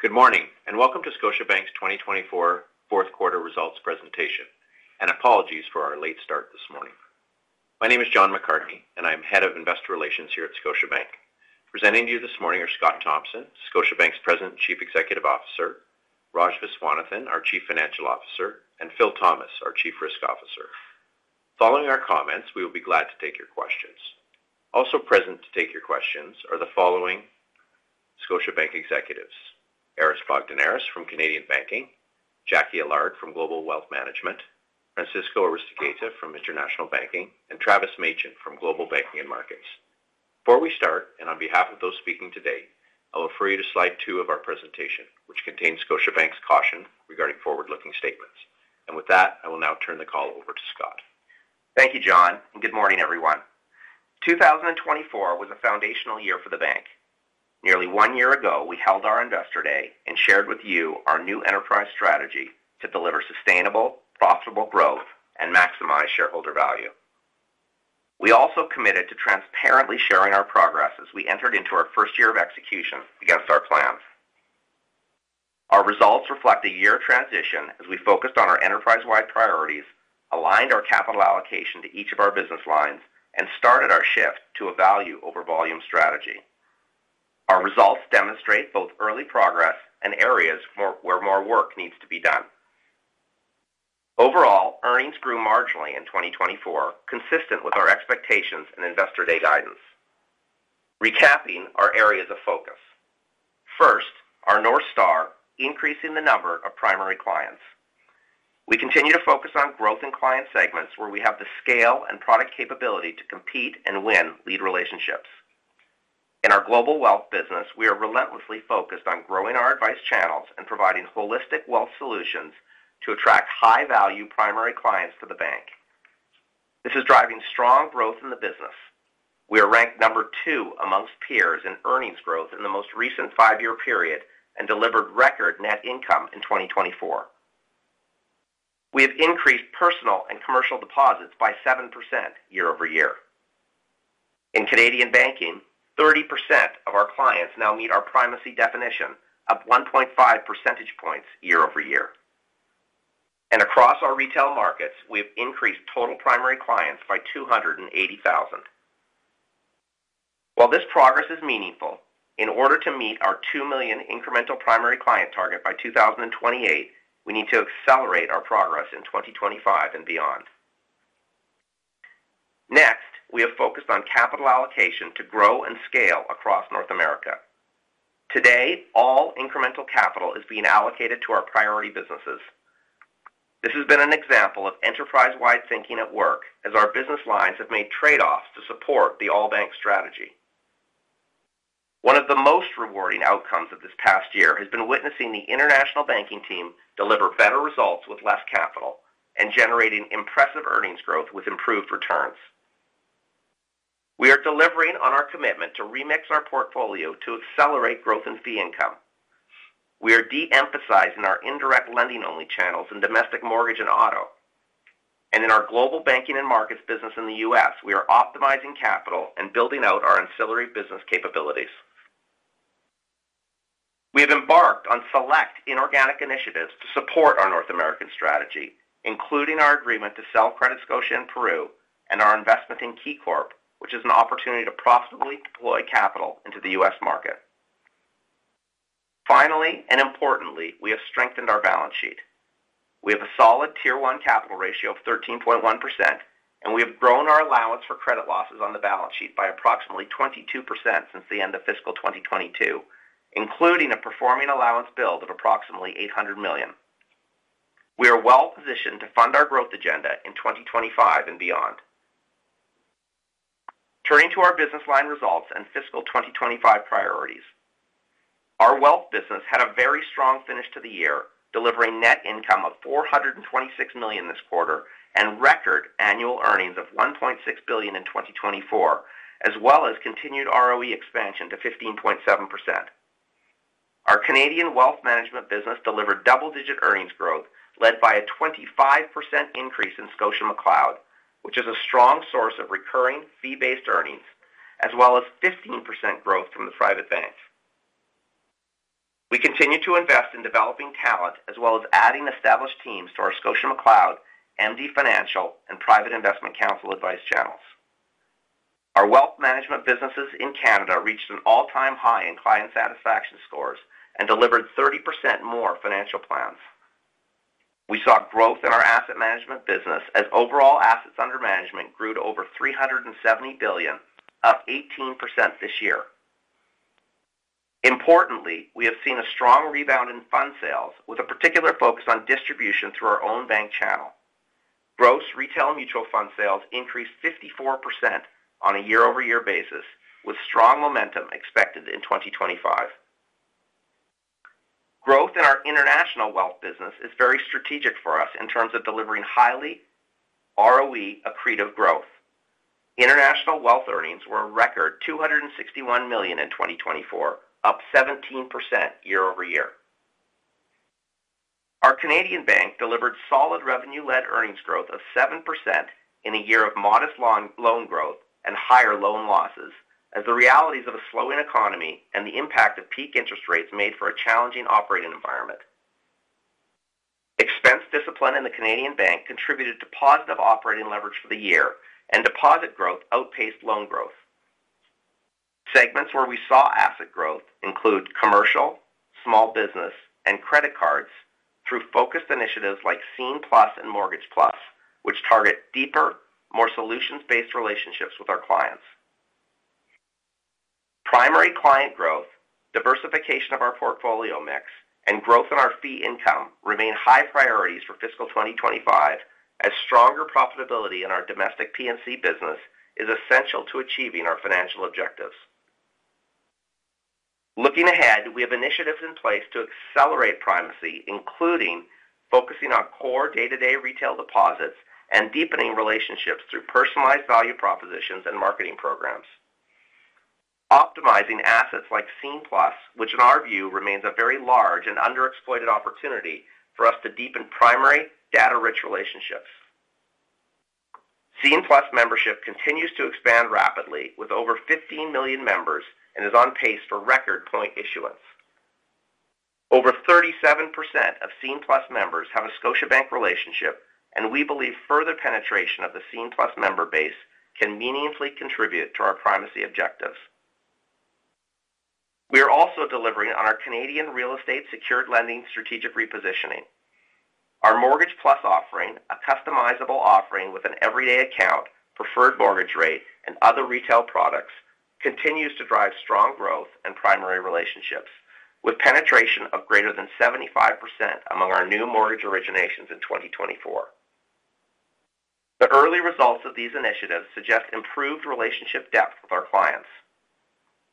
Good morning, and welcome to Scotiabank's 2024 fourth quarter results presentation, and apologies for our late start this morning. My name is John McCarthy, and I'm head of investor relations here at Scotiabank. Presenting to you this morning are Scott Thomson, Scotiabank's President and Chief Executive Officer, Raj Viswanathan, our Chief Financial Officer, and Phil Thomas, our Chief Risk Officer. Following our comments, we will be glad to take your questions. Also present to take your questions are the following Scotiabank executives: Aris Bogdaneris from Canadian Banking, Jacqui Allard from Global Wealth Management, Francisco Aristeguieta from International Banking, and Travis Machen from Global Banking and Markets. Before we start, and on behalf of those speaking today, I'll refer you to slide two of our presentation, which contains Scotiabank's caution regarding forward-looking statements. With that, I will now turn the call over to Scott. Thank you, John, and good morning, everyone. 2024 was a foundational year for the bank. Nearly one year ago, we held our Investor Day and shared with you our new enterprise strategy to deliver sustainable, profitable growth, and maximize shareholder value. We also committed to transparently sharing our progress as we entered into our first year of execution against our plans. Our results reflect a year of transition as we focused on our enterprise-wide priorities, aligned our capital allocation to each of our business lines, and started our shift to a value-over-volume strategy. Our results demonstrate both early progress and areas where more work needs to be done. Overall, earnings grew marginally in 2024, consistent with our expectations and Investor Day guidance. Recapping our areas of focus: first, our North Star, increasing the number of primary clients. We continue to focus on growth in client segments where we have the scale and product capability to compete and win lead relationships. In our global wealth business, we are relentlessly focused on growing our advice channels and providing holistic wealth solutions to attract high-value primary clients to the bank. This is driving strong growth in the business. We are ranked number two amongst peers in earnings growth in the most recent five-year period and delivered record net income in 2024. We have increased personal and commercial deposits by 7% year-over-year. In Canadian Banking, 30% of our clients now meet our primary definition of 1.5 percentage points year-over-year. Across our retail markets, we have increased total primary clients by 280,000. While this progress is meaningful, in order to meet our two million incremental primary client target by 2028, we need to accelerate our progress in 2025 and beyond. Next, we have focused on capital allocation to grow and scale across North America. Today, all incremental capital is being allocated to our priority businesses. This has been an example of enterprise-wide thinking at work as our business lines have made trade-offs to support the all-bank strategy. One of the most rewarding outcomes of this past year has been witnessing the International Banking team deliver better results with less capital and generating impressive earnings growth with improved returns. We are delivering on our commitment to remix our portfolio to accelerate growth in fee income. We are de-emphasizing our indirect lending-only channels in domestic mortgage and auto. In our Global Banking and Markets business in the U.S., we are optimizing capital and building out our ancillary business capabilities. We have embarked on select inorganic initiatives to support our North American strategy, including our agreement to sell CrediScotia in Peru and our investment in KeyCorp, which is an opportunity to profitably deploy capital into the U.S. market. Finally, and importantly, we have strengthened our balance sheet. We have a solid Tier 1 capital ratio of 13.1%, and we have grown our allowance for credit losses on the balance sheet by approximately 22% since the end of fiscal 2022, including a performing allowance build of approximately 800 million. We are well positioned to fund our growth agenda in 2025 and beyond. Turning to our business line results and fiscal 2025 priorities, our wealth business had a very strong finish to the year, delivering net income of 426 million this quarter and record annual earnings of 1.6 billion in 2024, as well as continued ROE expansion to 15.7%. Our Canadian Wealth Management business delivered double-digit earnings growth, led by a 25% increase in ScotiaMcLeod, which is a strong source of recurring fee-based earnings, as well as 15% growth from the private bank. We continue to invest in developing talent, as well as adding established teams to our ScotiaMcLeod, MD Financial, and Private Investment Counsel advice channels. Our Wealth Management businesses in Canada reached an all-time high in client satisfaction scores and delivered 30% more financial plans. We saw growth in our asset management business as overall assets under management grew to over 370 billion, up 18% this year. Importantly, we have seen a strong rebound in fund sales, with a particular focus on distribution through our own bank channel. Gross retail mutual fund sales increased 54% on a year-over-year basis, with strong momentum expected in 2025. Growth in our international wealth business is very strategic for us in terms of delivering highly ROE-accretive growth. International wealth earnings were a record 261 million in 2024, up 17% year-over-year. Our Canadian bank delivered solid revenue-led earnings growth of 7% in a year of modest loan growth and higher loan losses, as the realities of a slowing economy and the impact of peak interest rates made for a challenging operating environment. Expense discipline in the Canadian bank contributed to positive operating leverage for the year, and deposit growth outpaced loan growth. Segments where we saw asset growth include commercial, small business, and credit cards through focused initiatives like Scene+ and Mortgage+, which target deeper, more solutions-based relationships with our clients. Primary client growth, diversification of our portfolio mix, and growth in our fee income remain high priorities for fiscal 2025, as stronger profitability in our domestic P&C business is essential to achieving our financial objectives. Looking ahead, we have initiatives in place to accelerate primacy, including focusing on core day-to-day retail deposits and deepening relationships through personalized value propositions and marketing programs. Optimizing assets like Scene+, which in our view remains a very large and underexploited opportunity for us to deepen primary, data-rich relationships. Scene+ membership continues to expand rapidly, with over 15 million members and is on pace for record point issuance. Over 37% of Scene+ members have a Scotiabank relationship, and we believe further penetration of the Scene+ member base can meaningfully contribute to our primacy objectives. We are also delivering on our Canadian real estate secured lending strategic repositioning. Our Mortgage+ offering, a customizable offering with an everyday account, preferred mortgage rate, and other retail products, continues to drive strong growth and primary relationships, with penetration of greater than 75% among our new mortgage originations in 2024. The early results of these initiatives suggest improved relationship depth with our clients.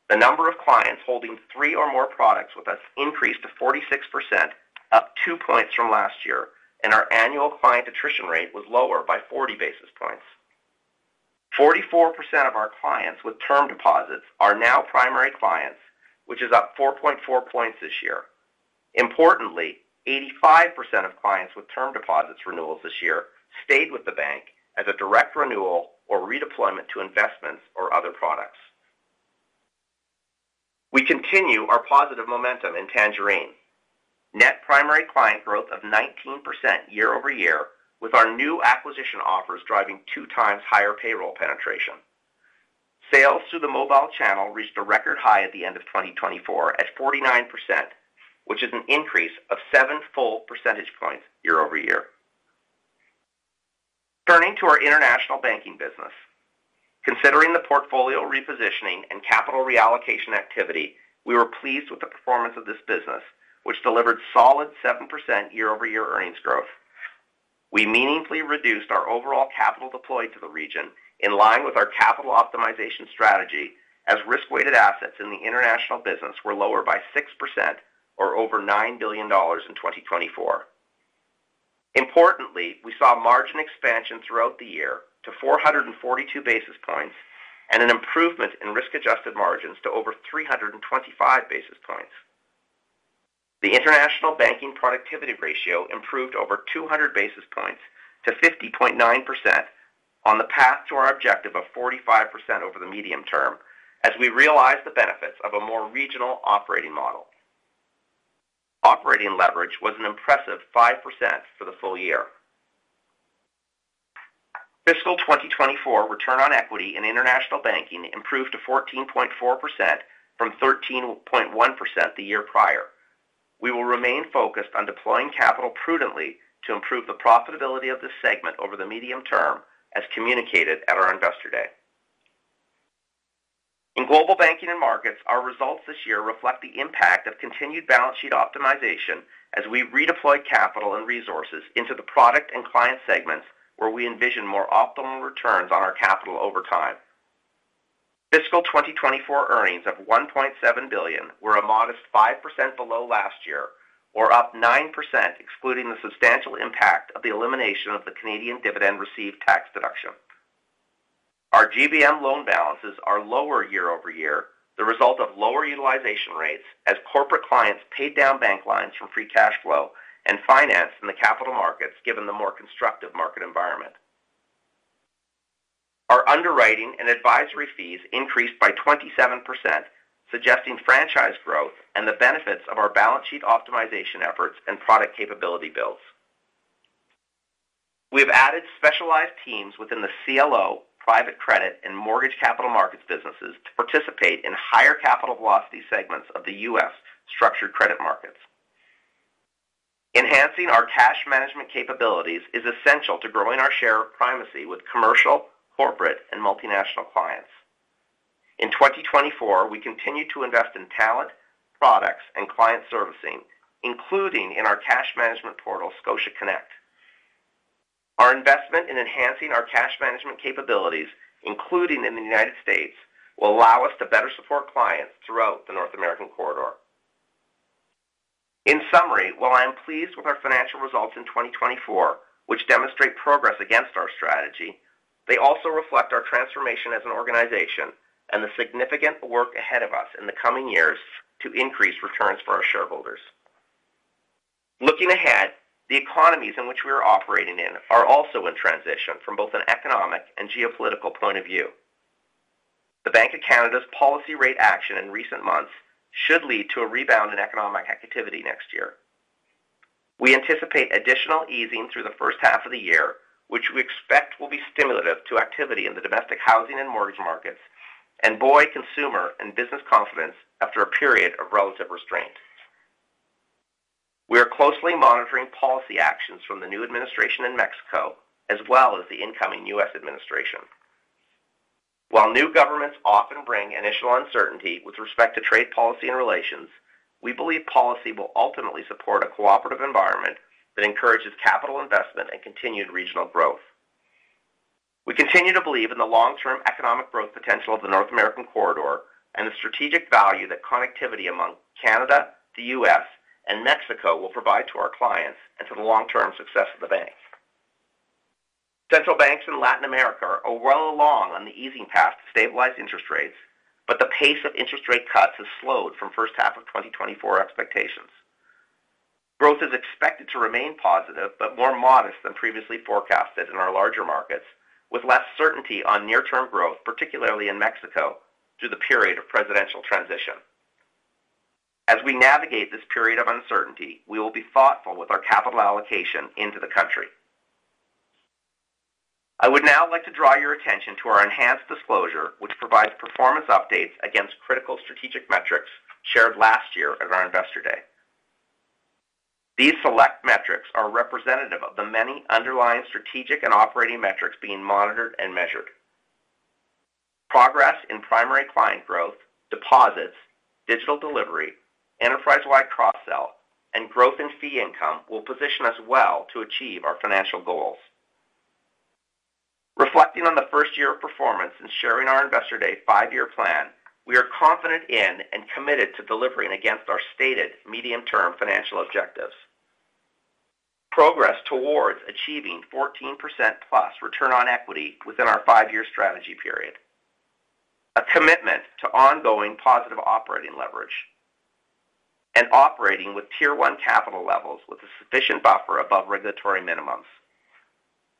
The number of clients holding three or more products with us increased to 46%, up two points from last year, and our annual client attrition rate was lower by 40 basis points. 44% of our clients with term deposits are now primary clients, which is up 4.4 points this year. Importantly, 85% of clients with term deposits renewals this year stayed with the bank as a direct renewal or redeployment to investments or other products. We continue our positive momentum in Tangerine, net primary client growth of 19% year-over-year, with our new acquisition offers driving two times higher payroll penetration. Sales through the mobile channel reached a record high at the end of 2024 at 49%, which is an increase of 7 full percentage points year-over-year. Turning to our International Banking business, considering the portfolio repositioning and capital reallocation activity, we were pleased with the performance of this business, which delivered solid 7% year-over-year earnings growth. We meaningfully reduced our overall capital deployed to the region in line with our capital optimization strategy, as risk-weighted assets in the international business were lower by 6%, or over 9 billion dollars in 2024. Importantly, we saw margin expansion throughout the year to 442 basis points and an improvement in risk-adjusted margins to over 325 basis points. The International Banking productivity ratio improved over 200 basis points to 50.9% on the path to our objective of 45% over the medium term, as we realized the benefits of a more regional operating model. Operating leverage was an impressive 5% for the full year. Fiscal 2024 return on equity in International Banking improved to 14.4% from 13.1% the year prior. We will remain focused on deploying capital prudently to improve the profitability of this segment over the medium term, as communicated at our Investor Day. In Global Banking and Markets, our results this year reflect the impact of continued balance sheet optimization as we redeploy capital and resources into the product and client segments, where we envision more optimal returns on our capital over time. Fiscal 2024 earnings of 1.7 billion were a modest 5% below last year, or up 9%, excluding the substantial impact of the elimination of the Canadian dividend received tax deduction. Our GBM loan balances are lower year-over-year, the result of lower utilization rates as corporate clients paid down bank lines from free cash flow and finance in the capital markets, given the more constructive market environment. Our underwriting and advisory fees increased by 27%, suggesting franchise growth and the benefits of our balance sheet optimization efforts and product capability builds. We have added specialized teams within the CLO, private credit, and mortgage capital markets businesses to participate in higher capital velocity segments of the U.S. structured credit markets. Enhancing our cash management capabilities is essential to growing our share of primacy with commercial, corporate, and multinational clients. In 2024, we continue to invest in talent, products, and client servicing, including in our cash management portal, ScotiaConnect. Our investment in enhancing our cash management capabilities, including in the United States, will allow us to better support clients throughout the North American corridor. In summary, while I am pleased with our financial results in 2024, which demonstrate progress against our strategy, they also reflect our transformation as an organization and the significant work ahead of us in the coming years to increase returns for our shareholders. Looking ahead, the economies in which we are operating in are also in transition from both an economic and geopolitical point of view. The Bank of Canada's policy rate action in recent months should lead to a rebound in economic activity next year. We anticipate additional easing through the first half of the year, which we expect will be stimulative to activity in the domestic housing and mortgage markets and buoy consumer and business confidence after a period of relative restraint. We are closely monitoring policy actions from the new administration in Mexico, as well as the incoming U.S. administration. While new governments often bring initial uncertainty with respect to trade policy and relations, we believe policy will ultimately support a cooperative environment that encourages capital investment and continued regional growth. We continue to believe in the long-term economic growth potential of the North American corridor and the strategic value that connectivity among Canada, the U.S., and Mexico will provide to our clients and to the long-term success of the bank. Central banks in Latin America are well along on the easing path to stabilize interest rates, but the pace of interest rate cuts has slowed from first half of 2024 expectations. Growth is expected to remain positive, but more modest than previously forecasted in our larger markets, with less certainty on near-term growth, particularly in Mexico through the period of presidential transition. As we navigate this period of uncertainty, we will be thoughtful with our capital allocation into the country. I would now like to draw your attention to our enhanced disclosure, which provides performance updates against critical strategic metrics shared last year at our Investor Day. These select metrics are representative of the many underlying strategic and operating metrics being monitored and measured. Progress in primary client growth, deposits, digital delivery, enterprise-wide cross-sell, and growth in fee income will position us well to achieve our financial goals. Reflecting on the first year of performance and sharing our Investor Day five-year plan, we are confident in and committed to delivering against our stated medium-term financial objectives. Progress towards achieving 14% plus return on equity within our five-year strategy period, a commitment to ongoing positive operating leverage, and operating with Tier 1 capital levels with a sufficient buffer above regulatory minimums.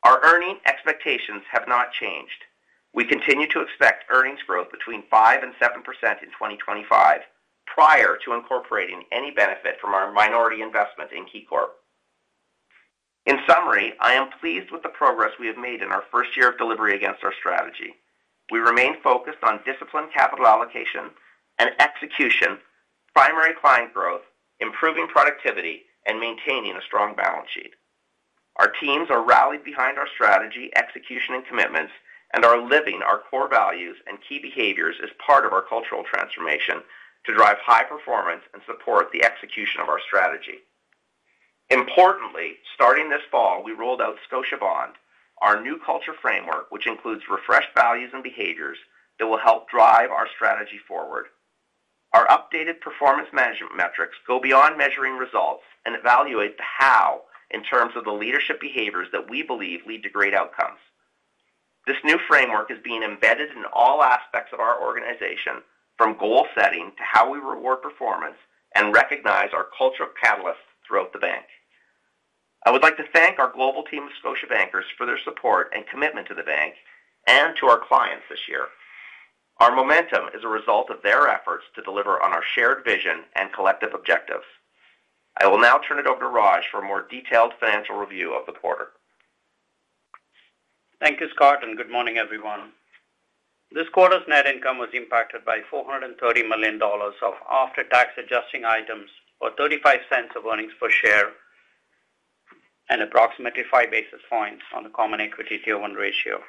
Our earnings expectations have not changed. We continue to expect earnings growth between 5% and 7% in 2025, prior to incorporating any benefit from our minority investment in KeyCorp. In summary, I am pleased with the progress we have made in our first year of delivery against our strategy. We remain focused on disciplined capital allocation and execution, primary client growth, improving productivity, and maintaining a strong balance sheet. Our teams are rallied behind our strategy, execution, and commitments, and are living our core values and key behaviors as part of our cultural transformation to drive high performance and support the execution of our strategy. Importantly, starting this fall, we rolled out ScotiaBond, our new culture framework, which includes refreshed values and behaviors that will help drive our strategy forward. Our updated performance management metrics go beyond measuring results and evaluate the how in terms of the leadership behaviors that we believe lead to great outcomes. This new framework is being embedded in all aspects of our organization, from goal setting to how we reward performance and recognize our cultural catalysts throughout the bank. I would like to thank our global team of Scotiabankers for their support and commitment to the bank and to our clients this year. Our momentum is a result of their efforts to deliver on our shared vision and collective objectives. I will now turn it over to Raj for a more detailed financial review of the quarter. Thank you, Scott. Good morning, everyone. This quarter's net income was impacted by 430 million dollars of after-tax adjusting items or 0.35 of earnings per share and approximately five basis points on the Common Equity Tier 1 ratio.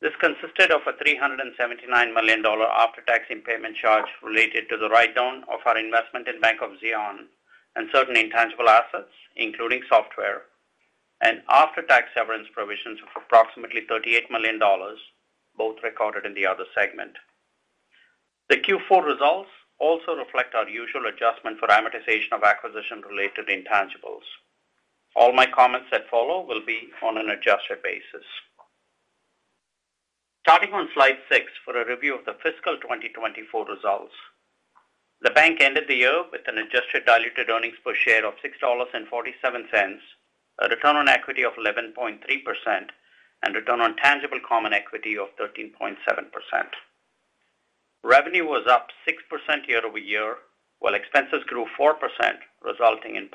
This consisted of a 379 million dollar after-tax impairment charge related to the write-down of our investment in Bank of Xi'an and certain intangible assets, including software, and after-tax severance provisions of approximately 38 million dollars, both recorded in the Other segment. The Q4 results also reflect our usual adjustment for amortization of acquisition-related intangibles. All my comments that follow will be on an adjusted basis. Starting on slide six for a review of the fiscal 2024 results, the bank ended the year with an adjusted diluted earnings per share of $6.47, a return on equity of 11.3%, and return on tangible common equity of 13.7%. Revenue was up 6% year-over-year, while expenses grew 4%, resulting in.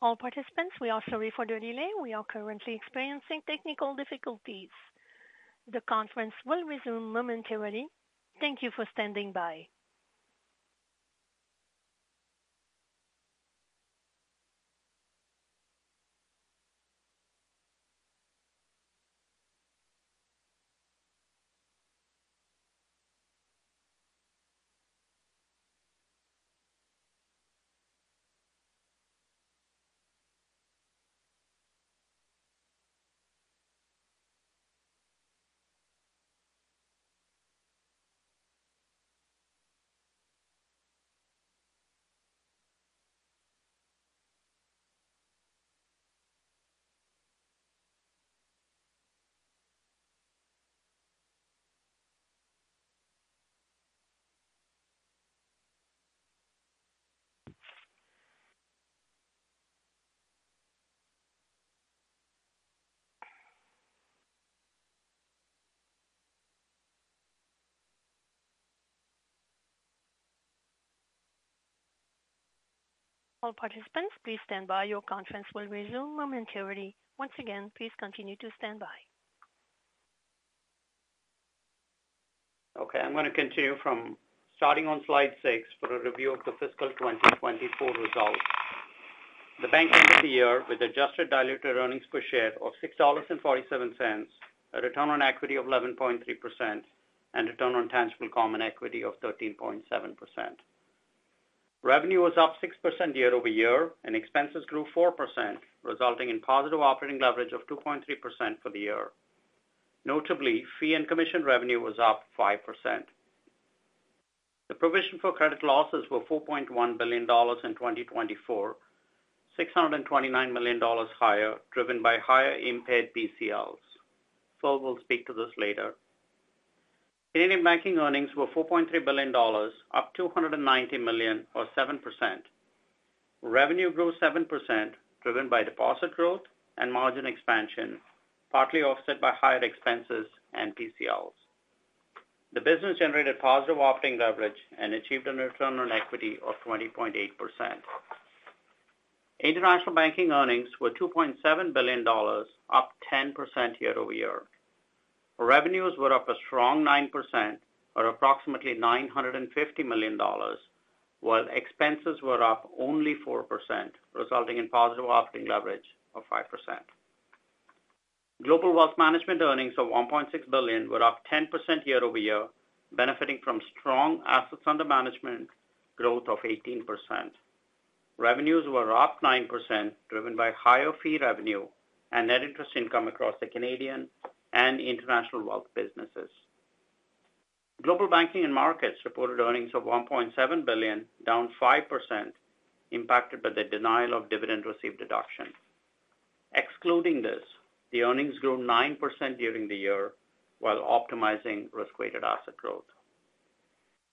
All participants, we are sorry for the delay. We are currently experiencing technical difficulties. The conference will resume momentarily. Thank you for standing by. All participants, please stand by. Your conference will resume momentarily. Once again, please continue to stand by. Okay. I'm going to continue from starting on slide six for a review of the fiscal 2024 results. The bank ended the year with adjusted diluted earnings per share of $6.47, a return on equity of 11.3%, and return on tangible common equity of 13.7%. Revenue was up 6% year-over-year, and expenses grew 4%, resulting in positive operating leverage of 2.3% for the year. Notably, fee and commission revenue was up 5%. The provision for credit losses was 4.1 billion dollars in 2024, 629 million dollars higher, driven by higher impaired PCLs. Phil will speak to this later. Canadian Banking earnings were 4.3 billion dollars, up 290 million, or 7%. Revenue grew 7%, driven by deposit growth and margin expansion, partly offset by higher expenses and PCLs. The business generated positive operating leverage and achieved a return on equity of 20.8%. International banking earnings were 2.7 billion dollars, up 10% year-over-year. Revenues were up a strong 9%, or approximately 950 million dollars, while expenses were up only 4%, resulting in positive operating leverage of 5%. Global Wealth Management earnings of 1.6 billion were up 10% year-over-year, benefiting from strong assets under management, growth of 18%. Revenues were up 9%, driven by higher fee revenue and net interest income across the Canadian and international wealth businesses. Global Banking and Markets reported earnings of 1.7 billion, down 5%, impacted by the denial of dividend received deduction. Excluding this, the earnings grew 9% during the year, while optimizing risk-weighted assets growth.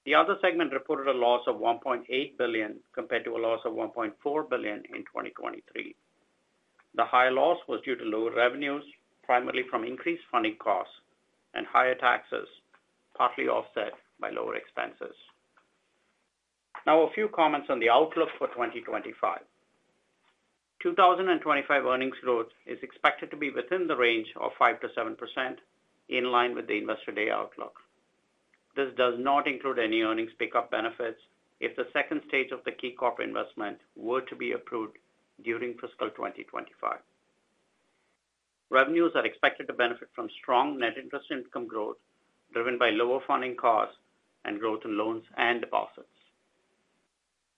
The Other segment reported a loss of 1.8 billion compared to a loss of 1.4 billion in 2023. The higher loss was due to lower revenues, primarily from increased funding costs and higher taxes, partly offset by lower expenses. Now, a few comments on the outlook for 2025. 2025 earnings growth is expected to be within the range of 5%-7%, in line with the Investor Day outlook. This does not include any earnings pickup benefits if the second stage of the KeyCorp investment were to be approved during fiscal 2025. Revenues are expected to benefit from strong net interest income growth, driven by lower funding costs and growth in loans and deposits.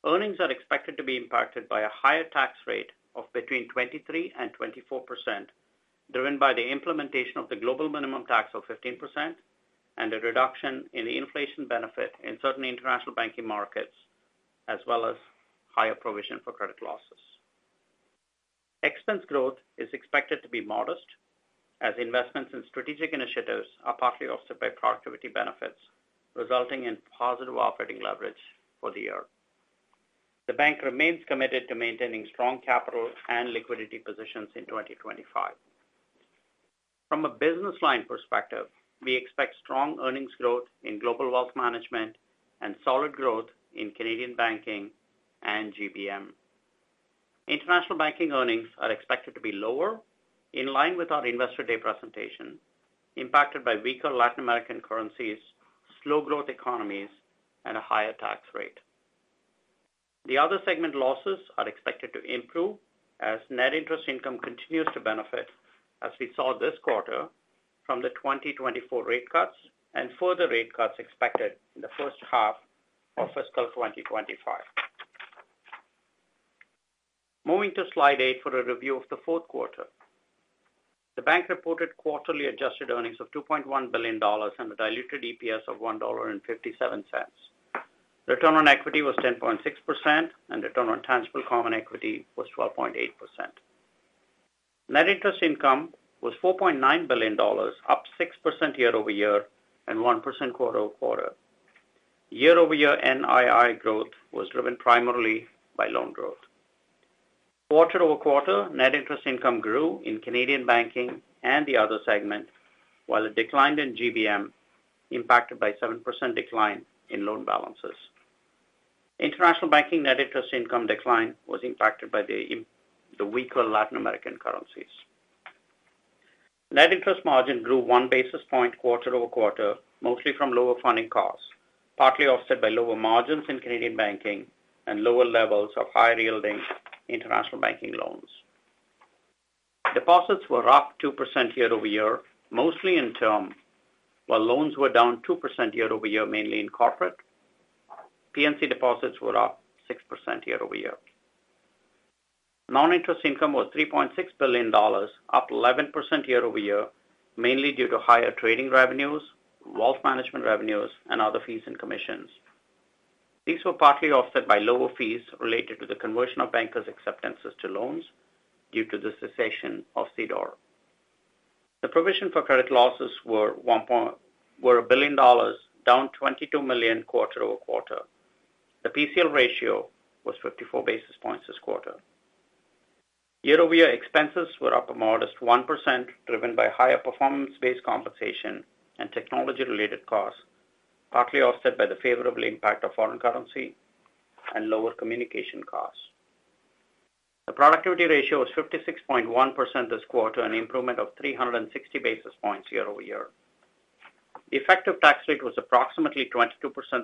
Earnings are expected to be impacted by a higher tax rate of between 23% and 24%, driven by the implementation of the Global Minimum Tax of 15% and a reduction in the inflation benefit in certain International Banking markets, as well as higher provision for credit losses. Expense growth is expected to be modest, as investments in strategic initiatives are partly offset by productivity benefits, resulting in positive operating leverage for the year. The bank remains committed to maintaining strong capital and liquidity positions in 2025. From a business line perspective, we expect strong earnings growth in Global Wealth Management and solid growth in Canadian Banking and GBM. International Banking earnings are expected to be lower, in line with our Investor Day presentation, impacted by weaker Latin American currencies, slow-growth economies, and a higher tax rate. The Other segment losses are expected to improve as net interest income continues to benefit, as we saw this quarter, from the 2024 rate cuts and further rate cuts expected in the first half of fiscal 2025. Moving to slide eight for a review of the fourth quarter. The bank reported quarterly adjusted earnings of 2.1 billion dollars and a diluted EPS of 1.57 dollar. Return on equity was 10.6%, and return on tangible common equity was 12.8%. Net interest income was 4.9 billion dollars, up 6% year-over-year and 1% quarter-over-quarter. Year-over-year NII growth was driven primarily by loan growth. Quarter-over-quarter, net interest income grew in Canadian Banking and the Other segment, while it declined in GBM, impacted by a 7% decline in loan balances. International Banking net interest income decline was impacted by the weaker Latin American currencies. Net interest margin grew one basis point quarter-over-quarter, mostly from lower funding costs, partly offset by lower margins in Canadian Banking and lower levels of high-yielding International Banking loans. Deposits were up 2% year-over-year, mostly in term, while loans were down 2% year-over-year, mainly in corporate. P&C deposits were up 6% year-over-year. Non-interest income was 3.6 billion dollars, up 11% year-over-year, mainly due to higher trading revenues, Wealth Management revenues, and other fees and commissions. These were partly offset by lower fees related to the conversion of bankers' acceptances to loans due to the cessation of CDOR. The provision for credit losses were 1 billion dollars, down 22 million quarter-over-quarter. The PCL ratio was 54 basis points this quarter. Year-over-year expenses were up a modest 1%, driven by higher performance-based compensation and technology-related costs, partly offset by the favorable impact of foreign currency and lower communication costs. The productivity ratio was 56.1% this quarter, an improvement of 360 basis points year-over-year. The effective tax rate was approximately 22%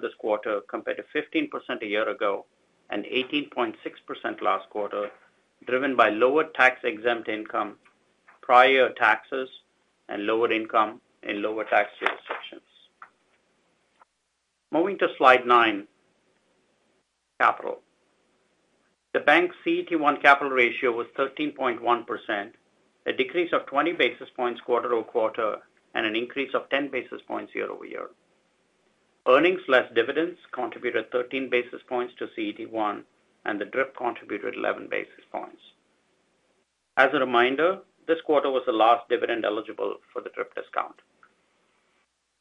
this quarter, compared to 15% a year ago and 18.6% last quarter, driven by lower tax-exempt income, prior taxes, and lower income in lower tax jurisdictions. Moving to slide nine, capital. The bank's CET1 capital ratio was 13.1%, a decrease of 20 basis points quarter-over-quarter, and an increase of 10 basis points year-over-year. Earnings less dividends contributed 13 basis points to CET1, and the DRIP contributed 11 basis points. As a reminder, this quarter was the last dividend eligible for the DRIP discount.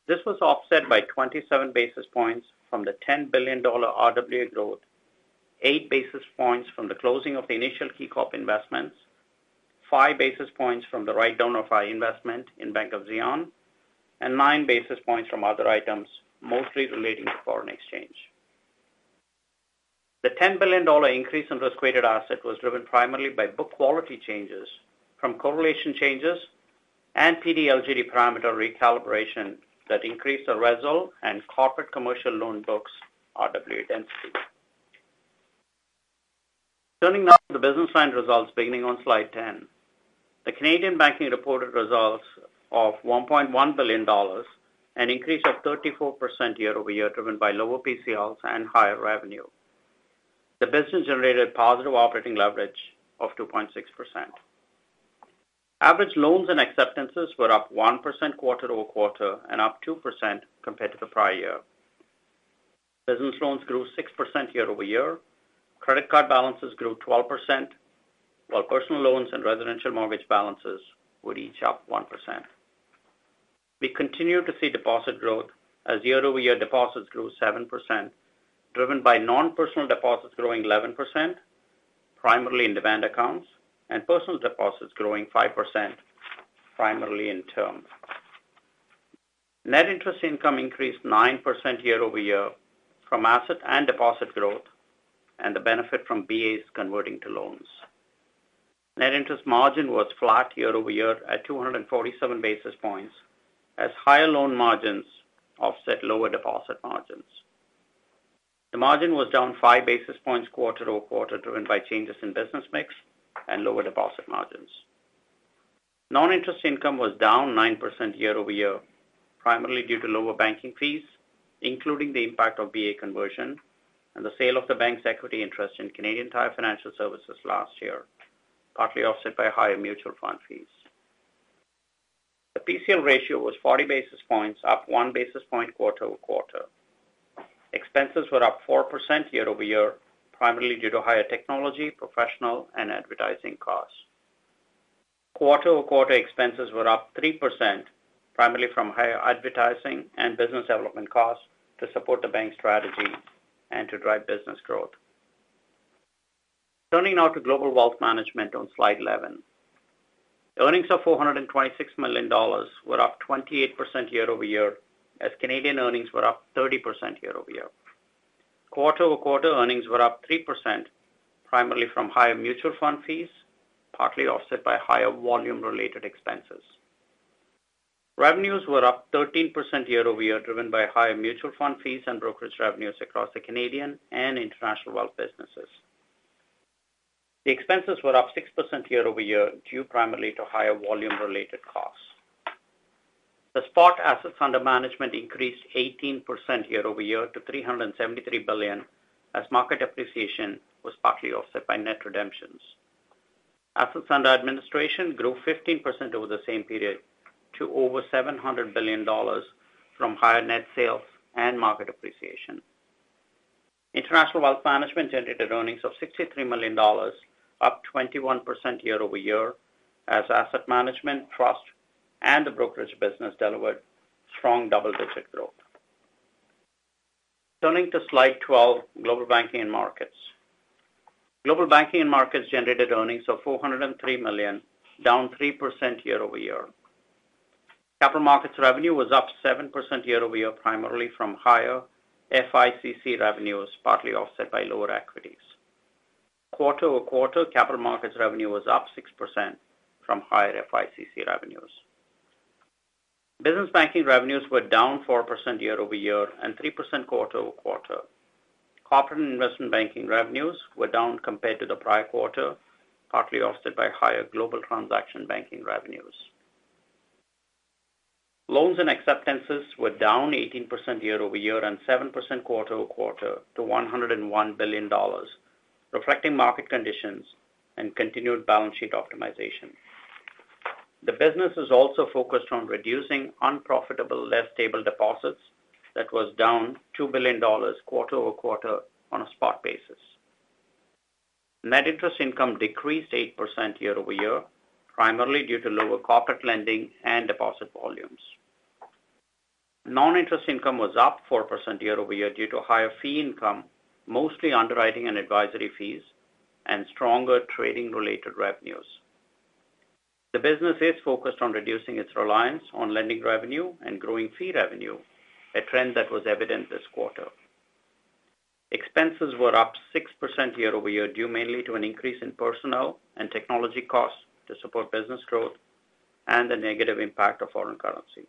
This was offset by 27 basis points from the $10 billion RWA growth, 8 basis points from the closing of the initial KeyCorp investments, 5 basis points from the write-down of our investment in Bank of Xi'an, and 9 basis points from other items, mostly relating to foreign exchange. The $10 billion increase in risk-weighted assets was driven primarily by book quality changes from correlation changes and PD/LGD parameter recalibration that increased the retail and corporate commercial loan books' RWA density. Turning now to the business line results beginning on slide 10, the Canadian Banking reported results of 1.1 billion dollars, an increase of 34% year-over-year, driven by lower PCLs and higher revenue. The business generated positive operating leverage of 2.6%. Average loans and acceptances were up 1% quarter-over-quarter and up 2% compared to the prior year. Business loans grew 6% year-over-year. Credit card balances grew 12%, while personal loans and residential mortgage balances would each up 1%. We continue to see deposit growth as year-over-year deposits grew 7%, driven by non-personal deposits growing 11%, primarily in demand accounts, and personal deposits growing 5%, primarily in term. Net interest income increased 9% year-over-year from asset and deposit growth and the benefit from BAs converting to loans. Net interest margin was flat year-over-year at 247 basis points as higher loan margins offset lower deposit margins. The margin was down 5 basis points quarter-over-quarter, driven by changes in business mix and lower deposit margins. Non-interest income was down 9% year-over-year, primarily due to lower banking fees, including the impact of BA conversion and the sale of the bank's equity interest in Canadian Tire Financial Services last year, partly offset by higher mutual fund fees. The PCL ratio was 40 basis points, up 1 basis point quarter-over-quarter. Expenses were up 4% year-over-year, primarily due to higher technology, professional, and advertising costs. Quarter-over-quarter expenses were up 3%, primarily from higher advertising and business development costs to support the bank's strategy and to drive business growth. Turning now to Global Wealth Management on slide 11, earnings of 426 million dollars were up 28% year-over-year as Canadian earnings were up 30% year-over-year. Quarter-over-quarter earnings were up 3%, primarily from higher mutual fund fees, partly offset by higher volume-related expenses. Revenues were up 13% year-over-year, driven by higher mutual fund fees and brokerage revenues across the Canadian and international wealth businesses. The expenses were up 6% year-over-year due primarily to higher volume-related costs. The spot assets under management increased 18% year-over-year to 373 billion as market appreciation was partly offset by net redemptions. Assets under administration grew 15% over the same period to over 700 billion dollars from higher net sales and market appreciation. International Wealth Management generated earnings of 63 million dollars, up 21% year-over-year as asset management, trust, and the brokerage business delivered strong double-digit growth. Turning to slide 12, Global Banking and Markets. Global Banking and Markets generated earnings of 403 million, down 3% year-over-year. Capital markets revenue was up 7% year-over-year, primarily from higher FICC revenues, partly offset by lower equities. Quarter-over-quarter, capital markets revenue was up 6% from higher FICC revenues. Business banking revenues were down 4% year-over-year and 3% quarter-over-quarter. Corporate and investment banking revenues were down compared to the prior quarter, partly offset by higher Global Transaction Banking revenues. Loans and acceptances were down 18% year-over-year and 7% quarter-over-quarter to 101 billion dollars, reflecting market conditions and continued balance sheet optimization. The business is also focused on reducing unprofitable, less stable deposits. That was down $2 billion quarter-over-quarter on a spot basis. Net interest income decreased 8% year-over-year, primarily due to lower corporate lending and deposit volumes. Non-interest income was up 4% year-over-year due to higher fee income, mostly underwriting and advisory fees, and stronger trading-related revenues. The business is focused on reducing its reliance on lending revenue and growing fee revenue, a trend that was evident this quarter. Expenses were up 6% year-over-year due mainly to an increase in personnel and technology costs to support business growth and the negative impact of foreign currency.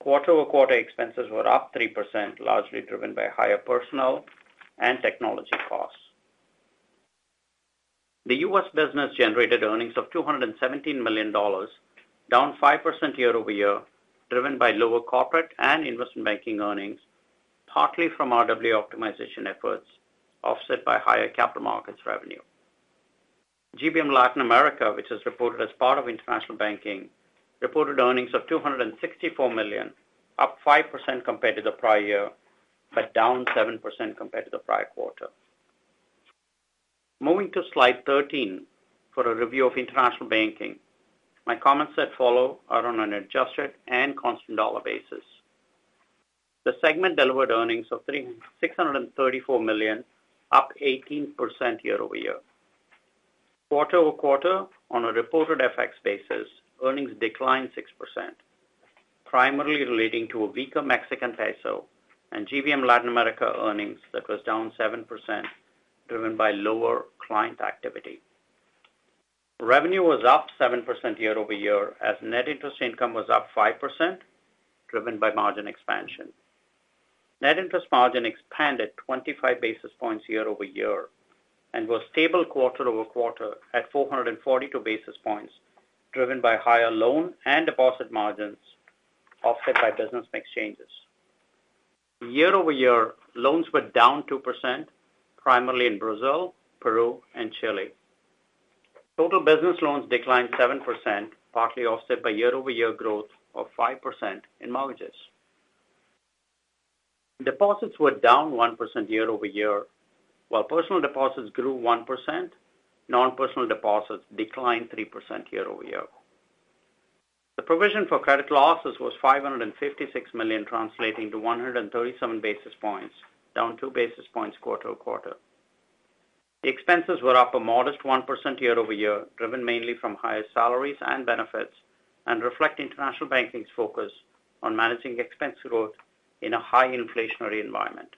Quarter-over-quarter expenses were up 3%, largely driven by higher personnel and technology costs. The U.S. business generated earnings of $217 million, down 5% year-over-year, driven by lower corporate and investment banking earnings, partly from RWA optimization efforts, offset by higher capital markets revenue. GBM Latin America, which is reported as part of International Banking, reported earnings of 264 million, up 5% compared to the prior year, but down 7% compared to the prior quarter. Moving to slide 13 for a review of International Banking, my comments that follow are on an adjusted and constant dollar basis. The segment delivered earnings of 634 million, up 18% year-over-year. Quarter-over-quarter, on a reported FX basis, earnings declined 6%, primarily relating to a weaker Mexican peso and GBM Latin America earnings that was down 7%, driven by lower client activity. Revenue was up 7% year-over-year as net interest income was up 5%, driven by margin expansion. Net interest margin expanded 25 basis points year-over-year and was stable quarter-over-quarter at 442 basis points, driven by higher loan and deposit margins offset by business mix changes. Year-over-year, loans were down 2%, primarily in Brazil, Peru, and Chile. Total business loans declined 7%, partly offset by year-over-year growth of 5% in mortgages. Deposits were down 1% year-over-year, while personal deposits grew 1%. Non-personal deposits declined 3% year-over-year. The provision for credit losses was 556 million, translating to 137 basis points, down 2 basis points quarter-over-quarter. The expenses were up a modest 1% year-over-year, driven mainly from higher salaries and benefits, and reflect International Banking's focus on managing expense growth in a high inflationary environment.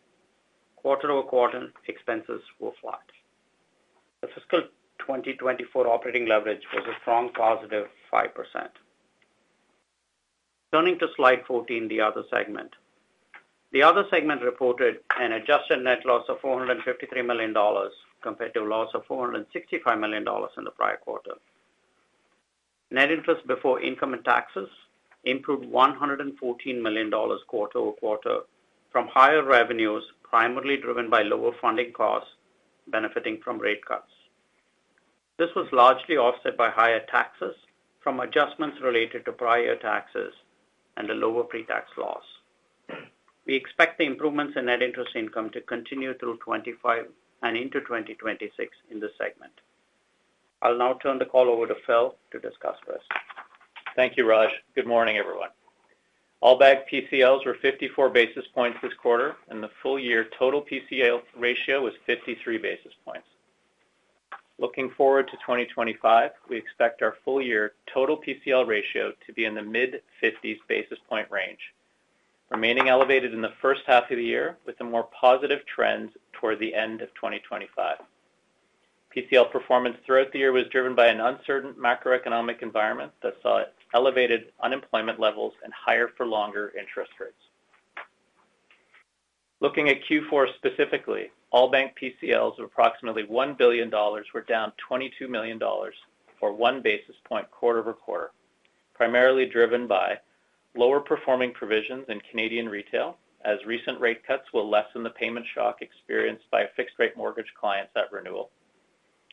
Quarter-over-quarter expenses were flat. The fiscal 2024 operating leverage was a strong positive 5%. Turning to slide 14, the Other segment. The Other segment reported an adjusted net loss of 453 million dollars compared to a loss of 465 million dollars in the prior quarter. Net interest before income and taxes improved 114 million dollars quarter-over-quarter from higher revenues, primarily driven by lower funding costs benefiting from rate cuts. This was largely offset by higher taxes from adjustments related to prior taxes and a lower pre-tax loss. We expect the improvements in net interest income to continue through 2025 and into 2026 in this segment. I'll now turn the call over to Phil to discuss risk. Thank you, Raj. Good morning, everyone. All-bank PCLs were 54 basis points this quarter, and the full-year total PCL ratio was 53 basis points. Looking forward to 2025, we expect our full-year total PCL ratio to be in the mid-50s basis point range, remaining elevated in the first half of the year with the more positive trends toward the end of 2025. PCL performance throughout the year was driven by an uncertain macroeconomic environment that saw elevated unemployment levels and higher-for-longer interest rates. Looking at Q4 specifically, All-Bank PCLs of approximately 1 billion dollars were down 22 million dollars for one basis point quarter-over-quarter, primarily driven by lower-performing provisions in Canadian retail, as recent rate cuts will lessen the payment shock experienced by fixed-rate mortgage clients at renewal,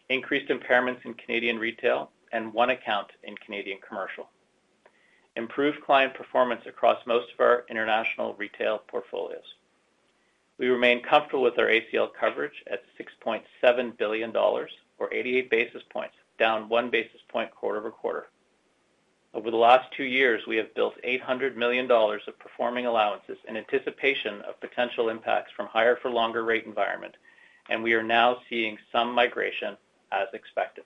increased impairments in Canadian retail, and one account in Canadian commercial, improved client performance across most of our international retail portfolios. We remain comfortable with our ACL coverage at 6.7 billion dollars or 88 basis points, down one basis point quarter-over-quarter. Over the last two years, we have built 800 million dollars of performing allowances in anticipation of potential impacts from a higher-for-longer rate environment, and we are now seeing some migration, as expected.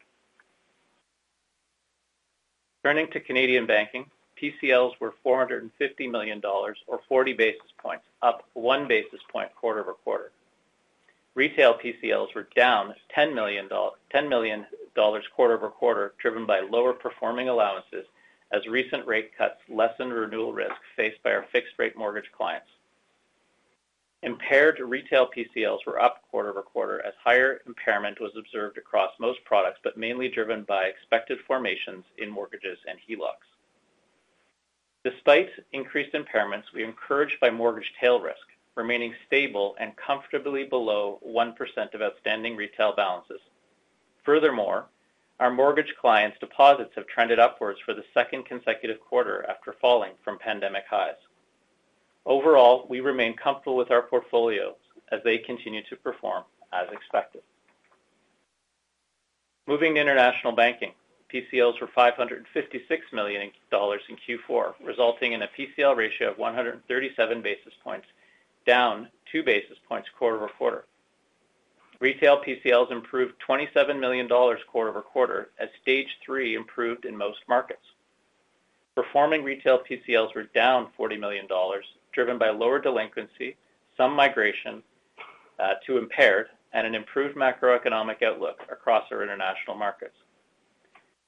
Turning to Canadian Banking, PCLs were 450 million dollars or 40 basis points, up one basis point quarter-over-quarter. Retail PCLs were down 10 million dollars quarter-over-quarter, driven by lower-performing allowances as recent rate cuts lessened renewal risk faced by our fixed-rate mortgage clients. Impaired retail PCLs were up quarter-over-quarter as higher impairment was observed across most products, but mainly driven by expected formations in mortgages and HELOCs. Despite increased impairments, we are encouraged by mortgage tail risk, remaining stable and comfortably below 1% of outstanding retail balances. Furthermore, our mortgage clients' deposits have trended upwards for the second consecutive quarter after falling from pandemic highs. Overall, we remain comfortable with our portfolios as they continue to perform as expected. Moving to International Banking, PCLs were 556 million dollars in Q4, resulting in a PCL ratio of 137 basis points, down two basis points quarter-over-quarter. Retail PCLs improved 27 million dollars quarter-over-quarter as stage three improved in most markets. Performing retail PCLs were down 40 million dollars, driven by lower delinquency, some migration to impaired, and an improved macroeconomic outlook across our international markets.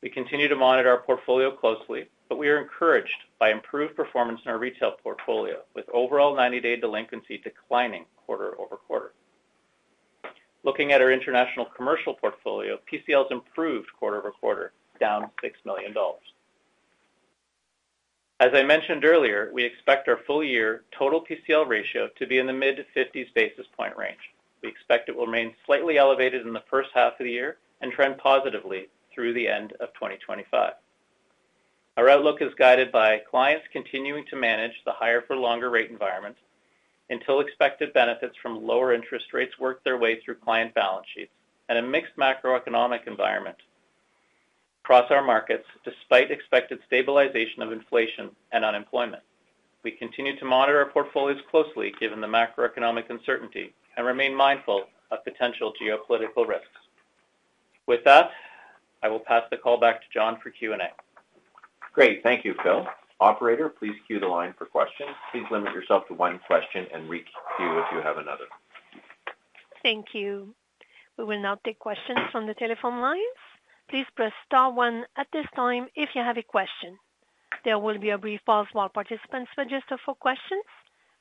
We continue to monitor our portfolio closely, but we are encouraged by improved performance in our retail portfolio, with overall 90-day delinquency declining quarter-over-quarter. Looking at our international commercial portfolio, PCLs improved quarter-over-quarter, down 6 million dollars. As I mentioned earlier, we expect our full-year total PCL ratio to be in the mid-50s basis points range. We expect it will remain slightly elevated in the first half of the year and trend positively through the end of 2025. Our outlook is guided by clients continuing to manage the higher-for-longer rate environment until expected benefits from lower interest rates work their way through client balance sheets and a mixed macroeconomic environment across our markets, despite expected stabilization of inflation and unemployment. We continue to monitor our portfolios closely given the macroeconomic uncertainty and remain mindful of potential geopolitical risks. With that, I will pass the call back to John for Q&A. Great. Thank you, Phil. Operator, please queue the line for questions. Please limit yourself to one question and re-queue if you have another. Thank you. We will now take questions from the telephone lines. Please press star one at this time if you have a question. There will be a brief pause while participants register for questions.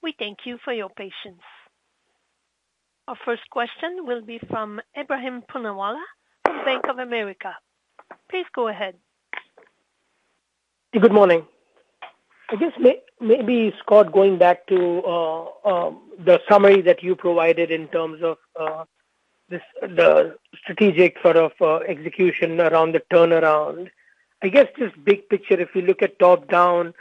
We thank you for your patience. Our first question will be from Ebrahim Poonawala from Bank of America. Please go ahead. Good morning. I guess maybe Scott, going back to the summary that you provided in terms of the strategic sort of execution around the turnaround, I guess just big picture, if we look at top down,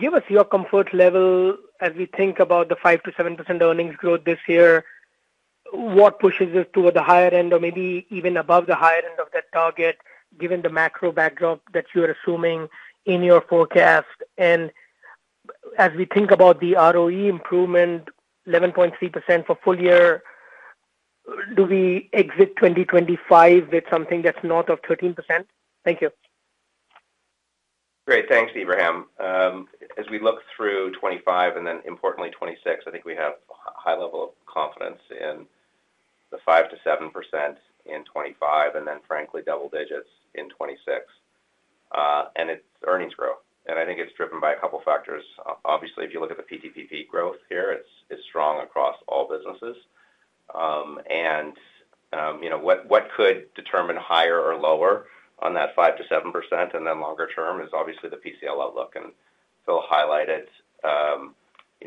give us your comfort level as we think about the 5%-7% earnings growth this year. What pushes us toward the higher end or maybe even above the higher end of that target, given the macro backdrop that you are assuming in your forecast? And as we think about the ROE improvement, 11.3% for full year, do we exit 2025 with something that's north of 13%? Thank you. Great. Thanks, Ebrahim. As we look through 2025 and then, importantly, 2026, I think we have a high level of confidence in the 5%-7% in 2025 and then, frankly, double digits in 2026. And it's earnings growth. I think it's driven by a couple of factors. Obviously, if you look at the PTPP growth here, it's strong across all businesses. What could determine higher or lower on that 5%-7% and then longer term is obviously the PCL outlook. Phil highlighted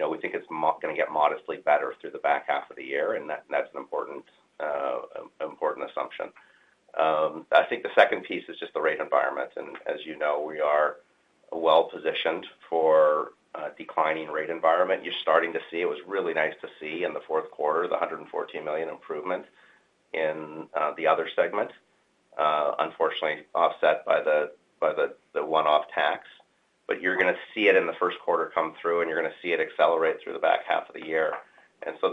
we think it's going to get modestly better through the back half of the year, and that's an important assumption. I think the second piece is just the rate environment. As you know, we are well-positioned for a declining rate environment. You're starting to see it was really nice to see in the fourth quarter, the 114 million improvement in the Other segment, unfortunately offset by the one-off tax. You're going to see it in the first quarter come through, and you're going to see it accelerate through the back half of the year.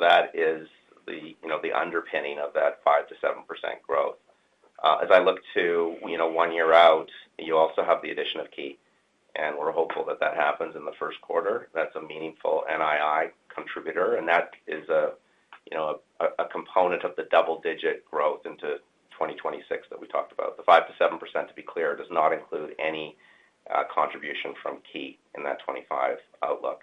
That is the underpinning of that 5%-7% growth. As I look to one year out, you also have the addition of KeyCorp, and we're hopeful that that happens in the first quarter. That's a meaningful NII contributor, and that is a component of the double-digit growth into 2026 that we talked about. The 5%-7%, to be clear, does not include any contribution from KeyCorp in that 2025 outlook.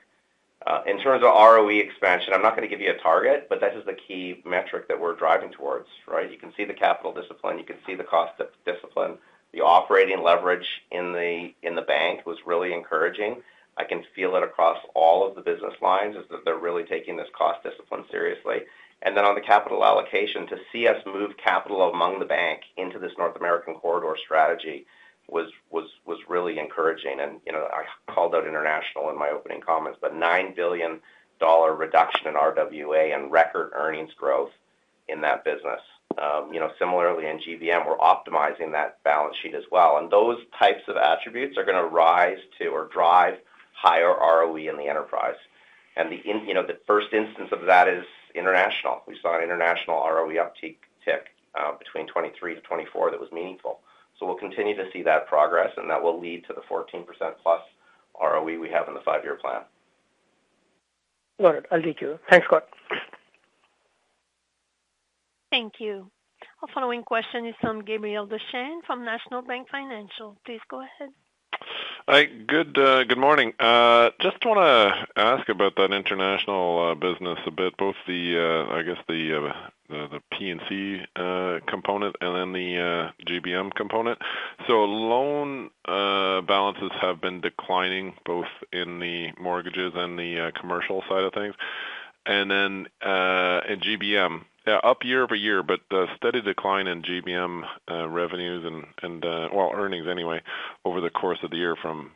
In terms of ROE expansion, I'm not going to give you a target, but that is the key metric that we're driving towards, right? You can see the capital discipline. You can see the cost discipline. The operating leverage in the bank was really encouraging. I can feel it across all of the business lines as they're really taking this cost discipline seriously. Then on the capital allocation, to see us move capital among the bank into this North American corridor strategy was really encouraging. I called out international in my opening comments, but 9 billion dollar reduction in RWA and record earnings growth in that business. Similarly, in GBM, we're optimizing that balance sheet as well. Those types of attributes are going to rise to or drive higher ROE in the enterprise. The first instance of that is international. We saw an international ROE uptick between 2023 to 2024 that was meaningful. We'll continue to see that progress, and that will lead to the 14% plus ROE we have in the five-year plan. All right. I'll leave you. Thanks, Scott. Thank you. Our following question is from Gabriel Dechaine from National Bank Financial. Please go ahead. Good morning. Just want to ask about that international business a bit, both the, I guess, the P&C component and then the GBM component. So loan balances have been declining both in the mortgages and the commercial side of things. And then GBM, up year-over-year, but steady decline in GBM revenues and, well, earnings anyway over the course of the year from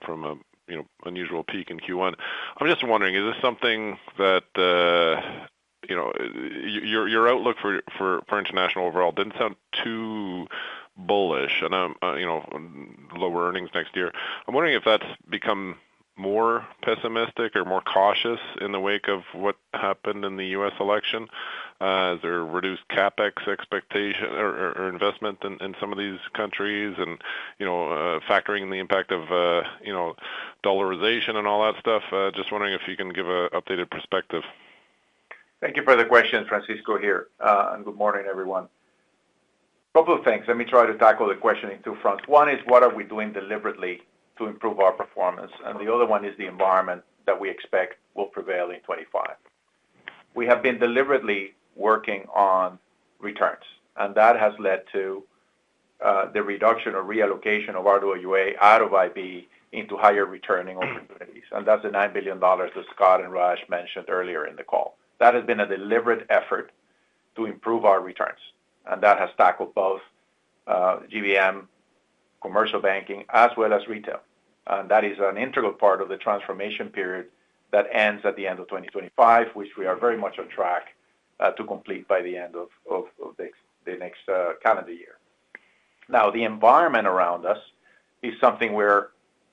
an unusual peak in Q1. I'm just wondering, is this something that your outlook for international overall didn't sound too bullish on lower earnings next year? I'm wondering if that's become more pessimistic or more cautious in the wake of what happened in the U.S. election. Has there reduced CapEx expectation or investment in some of these countries and factoring in the impact of dollarization and all that stuff? Just wondering if you can give an updated perspective. Thank you for the question, Francisco here. Good morning, everyone. A couple of things. Let me try to tackle the question in two fronts. One is, what are we doing deliberately to improve our performance? And the other one is the environment that we expect will prevail in 2025. We have been deliberately working on returns, and that has led to the reduction or reallocation of RWA out of IB into higher returning opportunities. And that's the 9 billion dollars that Scott and Raj mentioned earlier in the call. That has been a deliberate effort to improve our returns, and that has tackled both GBM, commercial banking, as well as retail. And that is an integral part of the transformation period that ends at the end of 2025, which we are very much on track to complete by the end of the next calendar year. Now, the environment around us is something we're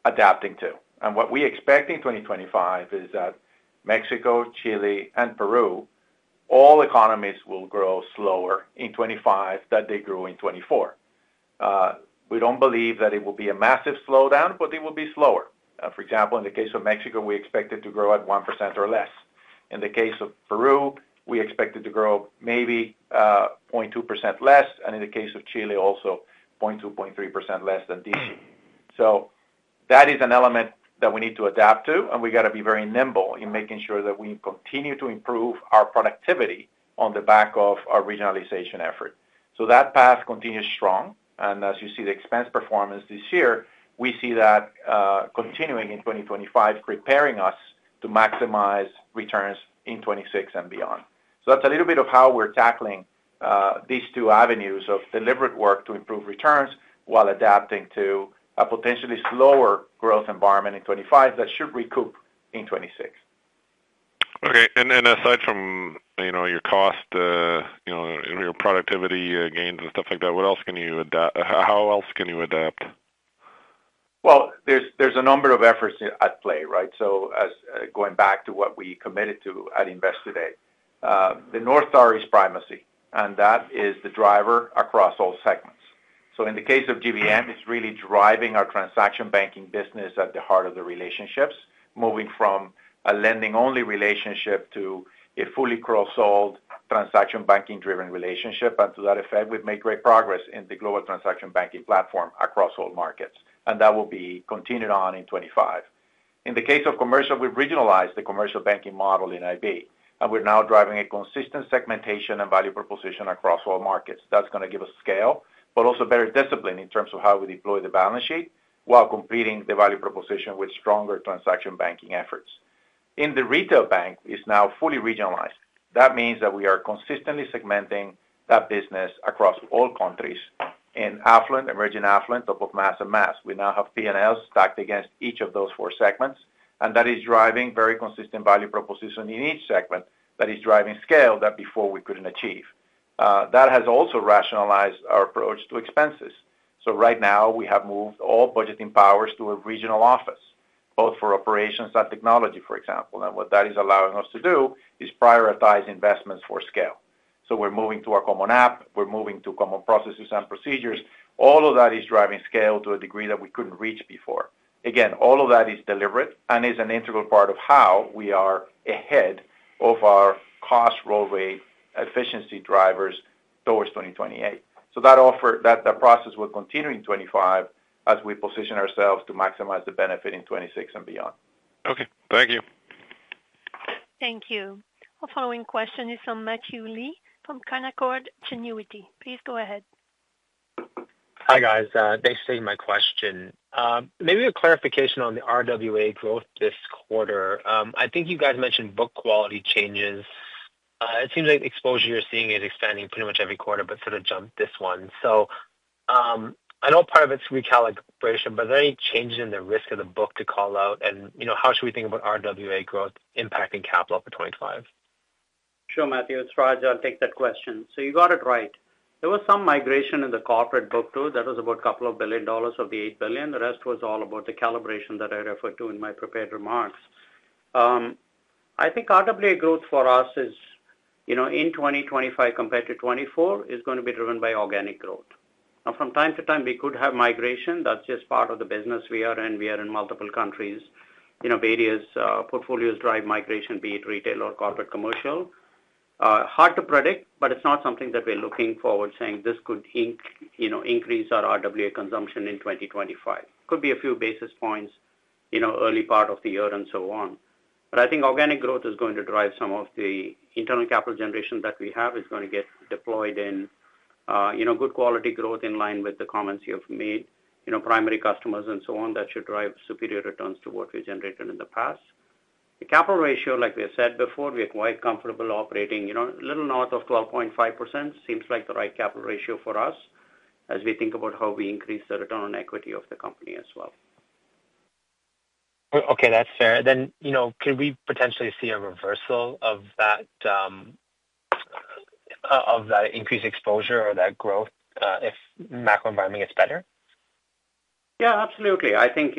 adapting to. And what we expect in 2025 is that Mexico, Chile, and Peru, all economies will grow slower in 2024 than they grew in 2024. We don't believe that it will be a massive slowdown, but it will be slower. For example, in the case of Mexico, we expect it to grow at 1% or less. In the case of Peru, we expect it to grow maybe 0.2% less, and in the case of Chile, also 0.2%-0.3% less than GDP. So that is an element that we need to adapt to, and we got to be very nimble in making sure that we continue to improve our productivity on the back of our regionalization effort. So that path continues strong. And as you see the expense performance this year, we see that continuing in 2025, preparing us to maximize returns in 2026 and beyond. So that's a little bit of how we're tackling these two avenues of deliberate work to improve returns while adapting to a potentially slower growth environment in 2025 that should recoup in 2026. Okay. And aside from your cost, your productivity gains, and stuff like that, what else can you adapt? How else can you adapt? Well, there's a number of efforts at play, right? So going back to what we committed to at Investor Day, the North Star is primacy, and that is the driver across all segments. So in the case of GBM, it's really driving our transaction banking business at the heart of the relationships, moving from a lending-only relationship to a fully cross-sold transaction banking-driven relationship. And to that effect, we've made great progress in the Global Transaction Banking platform across all markets, and that will be continued on in 2025. In the case of commercial, we've regionalized the commercial banking model in IB, and we're now driving a consistent segmentation and value proposition across all markets. That's going to give us scale, but also better discipline in terms of how we deploy the balance sheet while completing the value proposition with stronger transaction banking efforts. In the retail bank, it's now fully regionalized. That means that we are consistently segmenting that business across all countries in affluent, emerging affluent, top of mass, and mass. We now have P&Ls stacked against each of those four segments, and that is driving very consistent value proposition in each segment that is driving scale that before we couldn't achieve. That has also rationalized our approach to expenses. So right now, we have moved all budgeting powers to a regional office, both for operations and technology, for example. What that is allowing us to do is prioritize investments for scale. So we're moving to a common app. We're moving to common processes and procedures. All of that is driving scale to a degree that we couldn't reach before. Again, all of that is deliberate and is an integral part of how we are ahead of our cost-to-income ratio efficiency drivers towards 2028. So that process will continue in 2025 as we position ourselves to maximize the benefit in 2026 and beyond. Okay. Thank you. Thank you. Our following question is from Matthew Lee from Canaccord Genuity. Please go ahead. Hi, guys. Thanks for taking my question. Maybe a clarification on the RWA growth this quarter. I think you guys mentioned book quality changes. It seems like the exposure you're seeing is expanding pretty much every quarter, but sort of jumped this one. So I know part of it's recalibration, but are there any changes in the risk of the book to call out? And how should we think about RWA growth impacting capital for 2025? Sure, Matthew. It's Raj. I'll take that question. So you got it right. There was some migration in the corporate book too. That was about 2 billion dollars of the 8 billion. The rest was all about the calibration that I referred to in my prepared remarks. I think RWA growth for us in 2025 compared to 2024 is going to be driven by organic growth. Now, from time to time, we could have migration. That's just part of the business we are in. We are in multiple countries. Various portfolios drive migration, be it retail or corporate commercial. Hard to predict, but it's not something that we're looking forward to saying. This could increase our RWA consumption in 2025. Could be a few basis points, early part of the year, and so on. But I think organic growth is going to drive some of the internal capital generation that we have, is going to get deployed in good quality growth in line with the comments you have made, primary customers, and so on that should drive superior returns to what we've generated in the past. The capital ratio, like we have said before, we are quite comfortable operating. A little north of 12.5% seems like the right capital ratio for us as we think about how we increase the return on equity of the company as well. Okay. That's fair. Then can we potentially see a reversal of that increased exposure or that growth if macro environment gets better? Yeah, absolutely. I think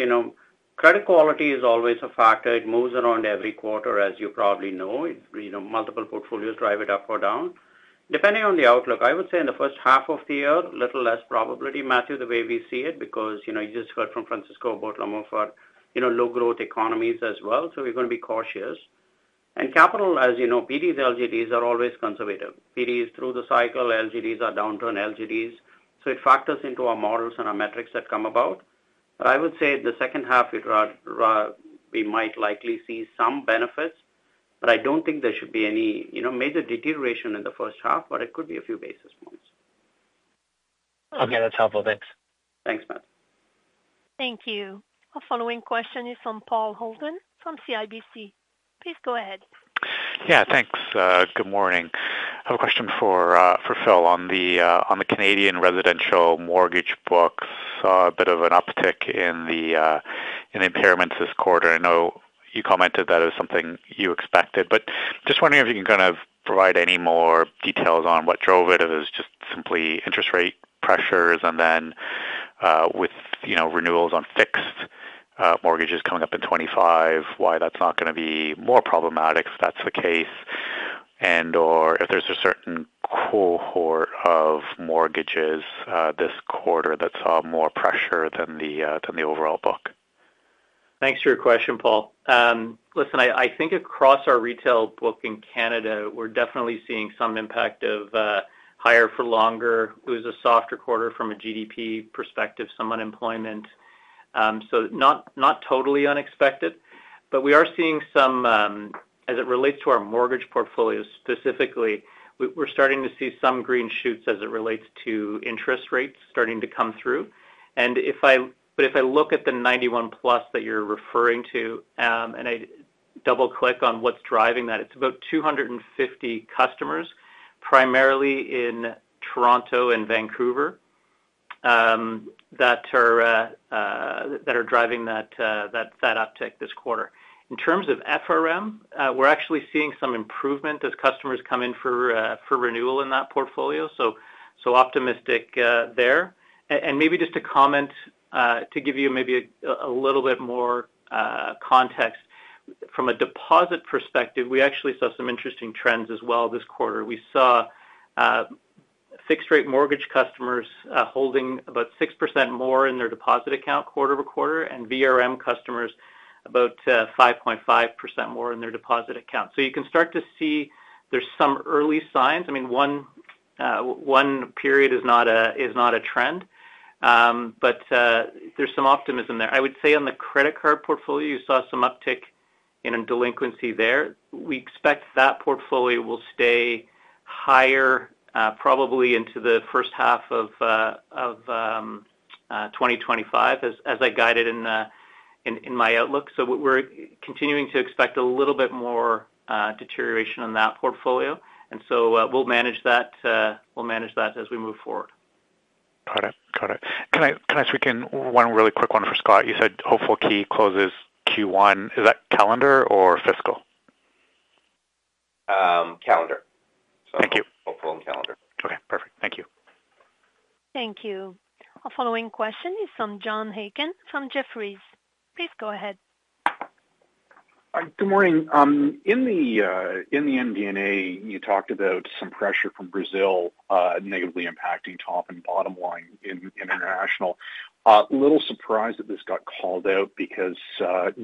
credit quality is always a factor. It moves around every quarter, as you probably know. Multiple portfolios drive it up or down. Depending on the outlook, I would say in the first half of the year, a little less probability, Matthew, the way we see it, because you just heard from Francisco about some of our low-growth economies as well. So we're going to be cautious. And capital, as you know, PDs, LGDs are always conservative. PDs through the cycle, LGDs are downturn LGDs. So it factors into our models and our metrics that come about. But I would say in the second half, we might likely see some benefits, but I don't think there should be any major deterioration in the first half, but it could be a few basis points. Okay. That's helpful. Thanks. Thanks, Matt. Thank you. Our following question is from Paul Holden from CIBC. Please go ahead. Yeah. Thanks. Good morning. I have a question for Phil on the Canadian residential mortgage books. Saw a bit of an uptick in impairments this quarter. I know you commented that it was something you expected, but just wondering if you can kind of provide any more details on what drove it. It was just simply interest rate pressures, and then with renewals on fixed mortgages coming up in 2025, why that's not going to be more problematic if that's the case, and/or if there's a certain cohort of mortgages this quarter that saw more pressure than the overall book. Thanks for your question, Paul. Listen, I think across our retail book in Canada, we're definitely seeing some impact of higher for longer. It was a softer quarter from a GDP perspective, some unemployment. So not totally unexpected, but we are seeing some, as it relates to our mortgage portfolio specifically, we're starting to see some green shoots as it relates to interest rates starting to come through. But if I look at the 91 plus that you're referring to, and I double-click on what's driving that, it's about 250 customers, primarily in Toronto and Vancouver, that are driving that uptick this quarter. In terms of FRM, we're actually seeing some improvement as customers come in for renewal in that portfolio. So optimistic there. And maybe just to comment to give you maybe a little bit more context, from a deposit perspective, we actually saw some interesting trends as well this quarter. We saw fixed-rate mortgage customers holding about 6% more in their deposit account quarter to quarter, and VRM customers about 5.5% more in their deposit account. So you can start to see there's some early signs. I mean, one period is not a trend, but there's some optimism there. I would say on the credit card portfolio, you saw some uptick in delinquency there. We expect that portfolio will stay higher probably into the first half of 2025, as I guided in my outlook. So we're continuing to expect a little bit more deterioration on that portfolio, and so we'll manage that as we move forward. Got it. Got it. Can I squeeze in one really quick one for Scott? You said hopeful Key closes Q1. Is that calendar or fiscal? Calendar. So hopeful and calendar. Okay. Perfect. Thank you. Thank you. Our following question is from John Aiken from Jefferies. Please go ahead. Good morning. In the MD&A, you talked about some pressure from Brazil negatively impacting top and bottom line in international. A little surprised that this got called out because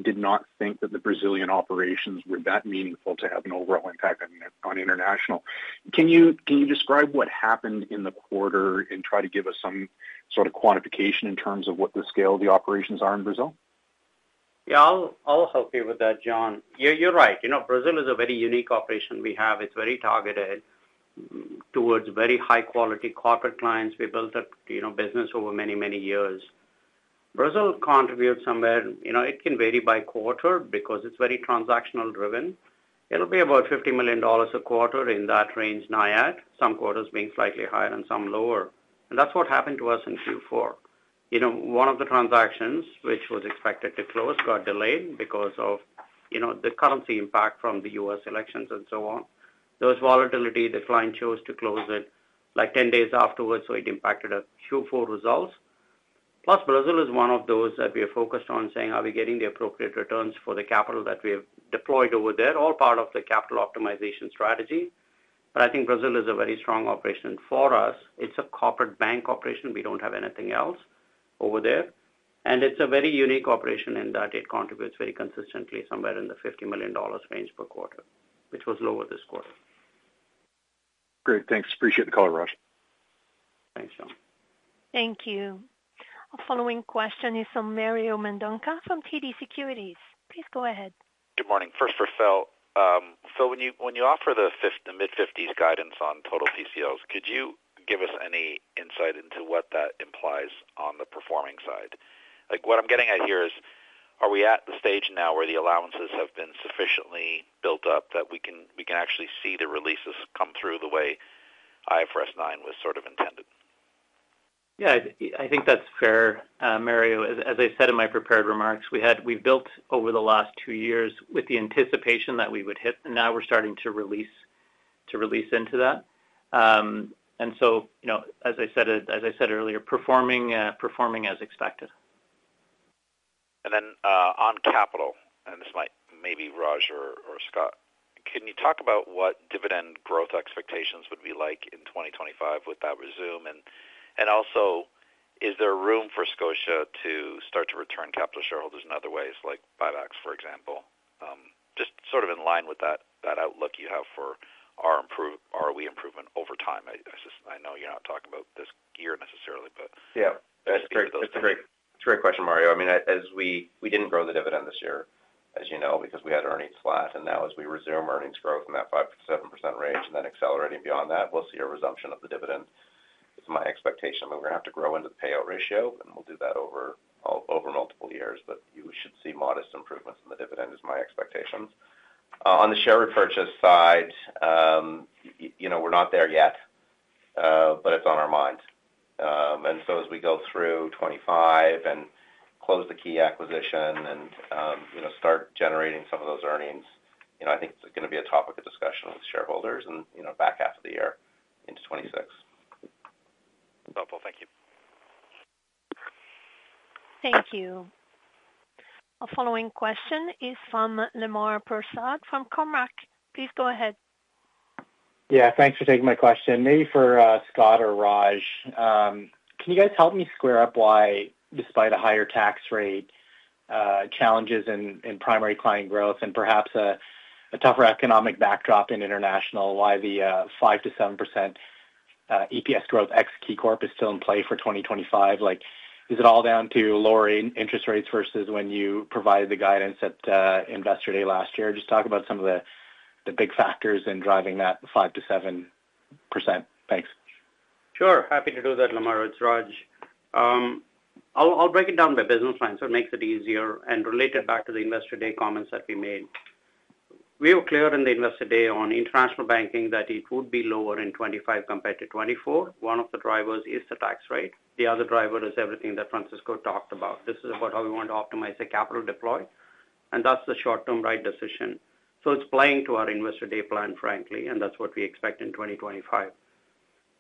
did not think that the Brazilian operations were that meaningful to have an overall impact on international. Can you describe what happened in the quarter and try to give us some sort of quantification in terms of what the scale of the operations are in Brazil? Yeah. I'll help you with that, John. Yeah, you're right. Brazil is a very unique operation we have. It's very targeted towards very high-quality corporate clients. We built a business over many, many years. Brazil contributes somewhere. It can vary by quarter because it's very transactional-driven. It'll be about $50 million a quarter in that range now, some quarters being slightly higher and some lower. And that's what happened to us in Q4. One of the transactions, which was expected to close, got delayed because of the currency impact from the U.S. elections and so on. There was volatility. The client chose to close it like 10 days afterwards, so it impacted our Q4 results. Plus, Brazil is one of those that we are focused on saying, "Are we getting the appropriate returns for the capital that we have deployed over there?" All part of the capital optimization strategy. But I think Brazil is a very strong operation for us. It's a corporate bank operation. We don't have anything else over there. And it's a very unique operation in that it contributes very consistently somewhere in the 50 million dollars range per quarter, which was lower this quarter. Great. Thanks. Appreciate the call, Raj. Thanks, John. Thank you. Our following question is from Mario Mendonca from TD Securities. Please go ahead. Good morning. First for Phil. Phil, when you offer the mid-50s guidance on total PCLs, could you give us any insight into what that implies on the performing side? What I'm getting at here is, are we at the stage now where the allowances have been sufficiently built up that we can actually see the releases come through the way IFRS 9 was sort of intended? Yeah. I think that's fair, Mario. As I said in my prepared remarks, we've built over the last two years with the anticipation that we would hit, and now we're starting to release into that. And so, as I said earlier, performing as expected. And then on capital, and this might maybe Raj or Scott, can you talk about what dividend growth expectations would be like in 2025 with that regime? And also, is there room for Scotia to start to return capital shareholders in other ways, like buybacks, for example? Just sort of in line with that outlook you have for ROE improvement over time. I know you're not talking about this year necessarily, but. That's great. It's a great question, Mario. I mean, we didn't grow the dividend this year, as you know, because we had earnings flat. And now, as we resume earnings growth in that 5%-7% range and then accelerating beyond that, we'll see a resumption of the dividend. It's my expectation that we're going to have to grow into the payout ratio, and we'll do that over multiple years. But you should see modest improvements in the dividend, is my expectation. On the share repurchase side, we're not there yet, but it's on our minds. And so, as we go through 2025 and close the Key acquisition and start generating some of those earnings, I think it's going to be a topic of discussion with shareholders in the back half of the year into 2026. Helpful. Thank you. Thank you. Our following question is from Lemar Persaud from Cormark. Please go ahead. Yeah. Thanks for taking my question. Maybe for Scott or Raj, can you guys help me square up why, despite a higher tax rate, challenges in primary client growth and perhaps a tougher economic backdrop in international, why the 5%-7% EPS growth ex KeyCorp is still in play for 2025? Is it all down to lower interest rates versus when you provided the guidance at Investor Day last year? Just talk about some of the big factors in driving that 5%-7%. Thanks. Sure. Happy to do that, Lemar. It's Raj. I'll break it down by business line, so it makes it easier. And, related back to the Investor Day comments that we made, we were clear in the Investor Day on International Banking that it would be lower in 2025 compared to 2024. One of the drivers is the tax rate. The other driver is everything that Francisco talked about. This is about how we want to optimize the capital deploy, and that's the short-term right decision. So it's playing to our Investor Day plan, frankly, and that's what we expect in 2025.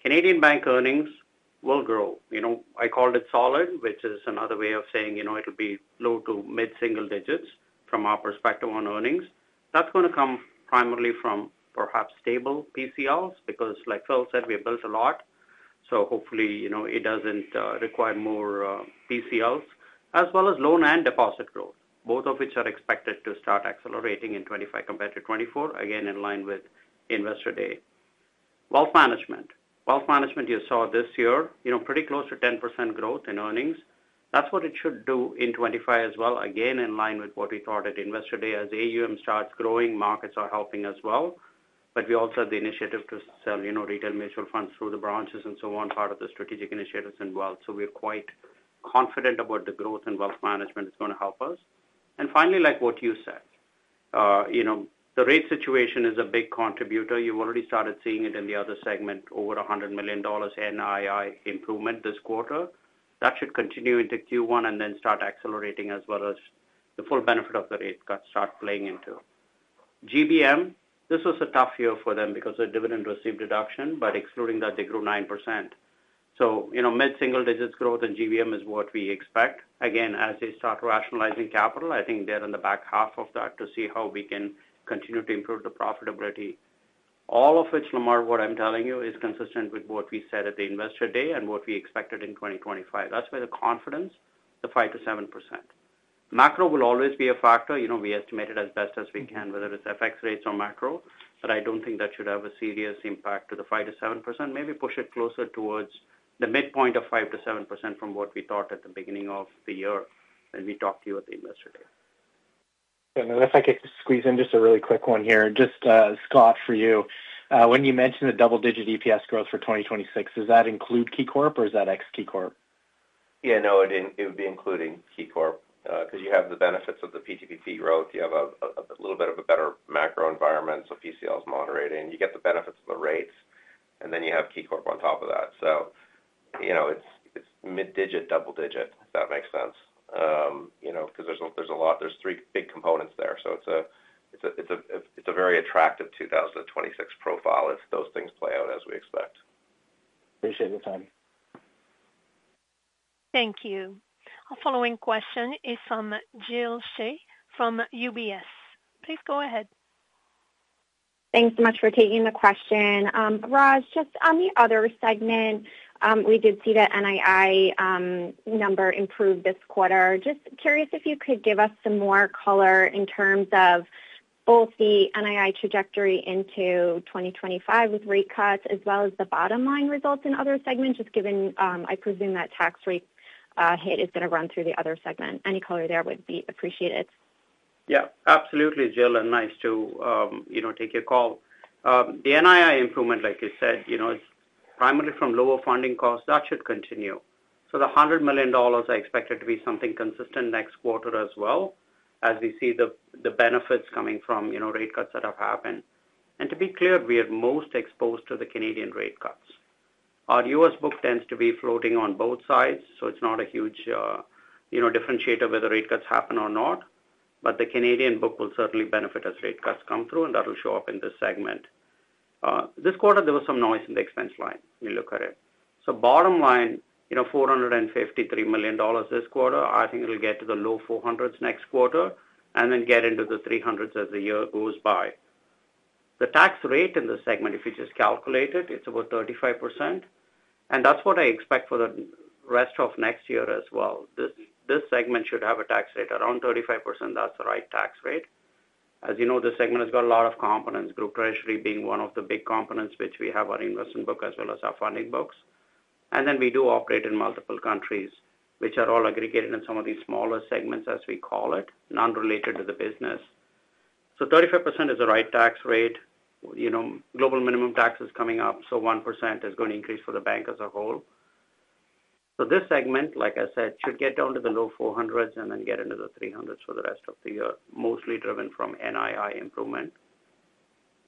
Canadian bank earnings will grow. I called it solid, which is another way of saying it'll be low to mid-single digits from our perspective on earnings. That's going to come primarily from perhaps stable PCLs because, like Phil said, we have built a lot. Hopefully, it doesn't require more PCLs, as well as loan and deposit growth, both of which are expected to start accelerating in 2025 compared to 2024, again, in line with Investor Day. Wealth management. Wealth management, you saw this year, pretty close to 10% growth in earnings. That's what it should do in 2025 as well, again, in line with what we thought at Investor Day. As AUM starts growing, markets are helping as well. But we also have the initiative to sell retail mutual funds through the branches and so on, part of the strategic initiatives involved. So we're quite confident about the growth in Wealth Management. It's going to help us. And finally, like what you said, the rate situation is a big contributor. You've already started seeing it in the Other segment, over 100 million dollars NII improvement this quarter. That should continue into Q1 and then start accelerating as well as the full benefit of the rate cuts start playing into. GBM, this was a tough year for them because of dividend received deduction, but excluding that, they grew 9%. So mid-single digits growth in GBM is what we expect. Again, as they start rationalizing capital, I think they're in the back half of that to see how we can continue to improve the profitability. All of which, Lemar, what I'm telling you is consistent with what we said at the Investor Day and what we expected in 2025. That's where the confidence, the 5%-7%. Macro will always be a factor. We estimate it as best as we can, whether it's FX rates or macro, but I don't think that should have a serious impact to the 5%-7%. Maybe push it closer towards the midpoint of 5%-7% from what we thought at the beginning of the year when we talked to you at the Investor Day. And unless I get to squeeze in just a really quick one here, just Scott for you. When you mentioned the double-digit EPS growth for 2026, does that include KeyCorp or is that ex-KeyCorp? Yeah. No, it would be including KeyCorp because you have the benefits of the PTPP growth. You have a little bit of a better macro environment, so PCLs moderating. You get the benefits of the rates, and then you have KeyCorp on top of that. So it's mid-digit, double-digit, if that makes sense, because there's a lot. There's three big components there. So it's a very attractive 2026 profile if those things play out as we expect. Appreciate the time. Thank you. Our following question is from Joo Ho Kim from UBS. Please go ahead. Thanks so much for taking the question. Raj, just on the Other segment, we did see the NII number improve this quarter. Just curious if you could give us some more color in terms of both the NII trajectory into 2025 with rate cuts as well as the bottom line results in Other segments, just given, I presume, that tax rate hit is going to run through the Other segment. Any color there would be appreciated. Yeah. Absolutely, Joo Ho, and nice to take your call. The NII improvement, like you said, is primarily from lower funding costs. That should continue. So the 100 million dollars, I expect it to be something consistent next quarter as well, as we see the benefits coming from rate cuts that have happened. And to be clear, we are most exposed to the Canadian rate cuts. Our US book tends to be floating on both sides, so it's not a huge differentiator whether rate cuts happen or not. But the Canadian book will certainly benefit as rate cuts come through, and that'll show up in this segment. This quarter, there was some noise in the expense line when you look at it. So bottom line, 453 million dollars this quarter, I think it'll get to the low 400s next quarter and then get into the 300s as the year goes by. The tax rate in this segment, if you just calculate it, it's about 35%. And that's what I expect for the rest of next year as well. This segment should have a tax rate around 35%. That's the right tax rate. As you know, this segment has got a lot of components, Group Treasury being one of the big components which we have our investment book as well as our funding books. We do operate in multiple countries, which are all aggregated in some of these smaller segments, as we call it, non-related to the business. So 35% is the right tax rate. Global Minimum Tax is coming up, so 1% is going to increase for the bank as a whole. So this segment, like I said, should get down to the low 400s and then get into the 300s for the rest of the year, mostly driven from NII improvement.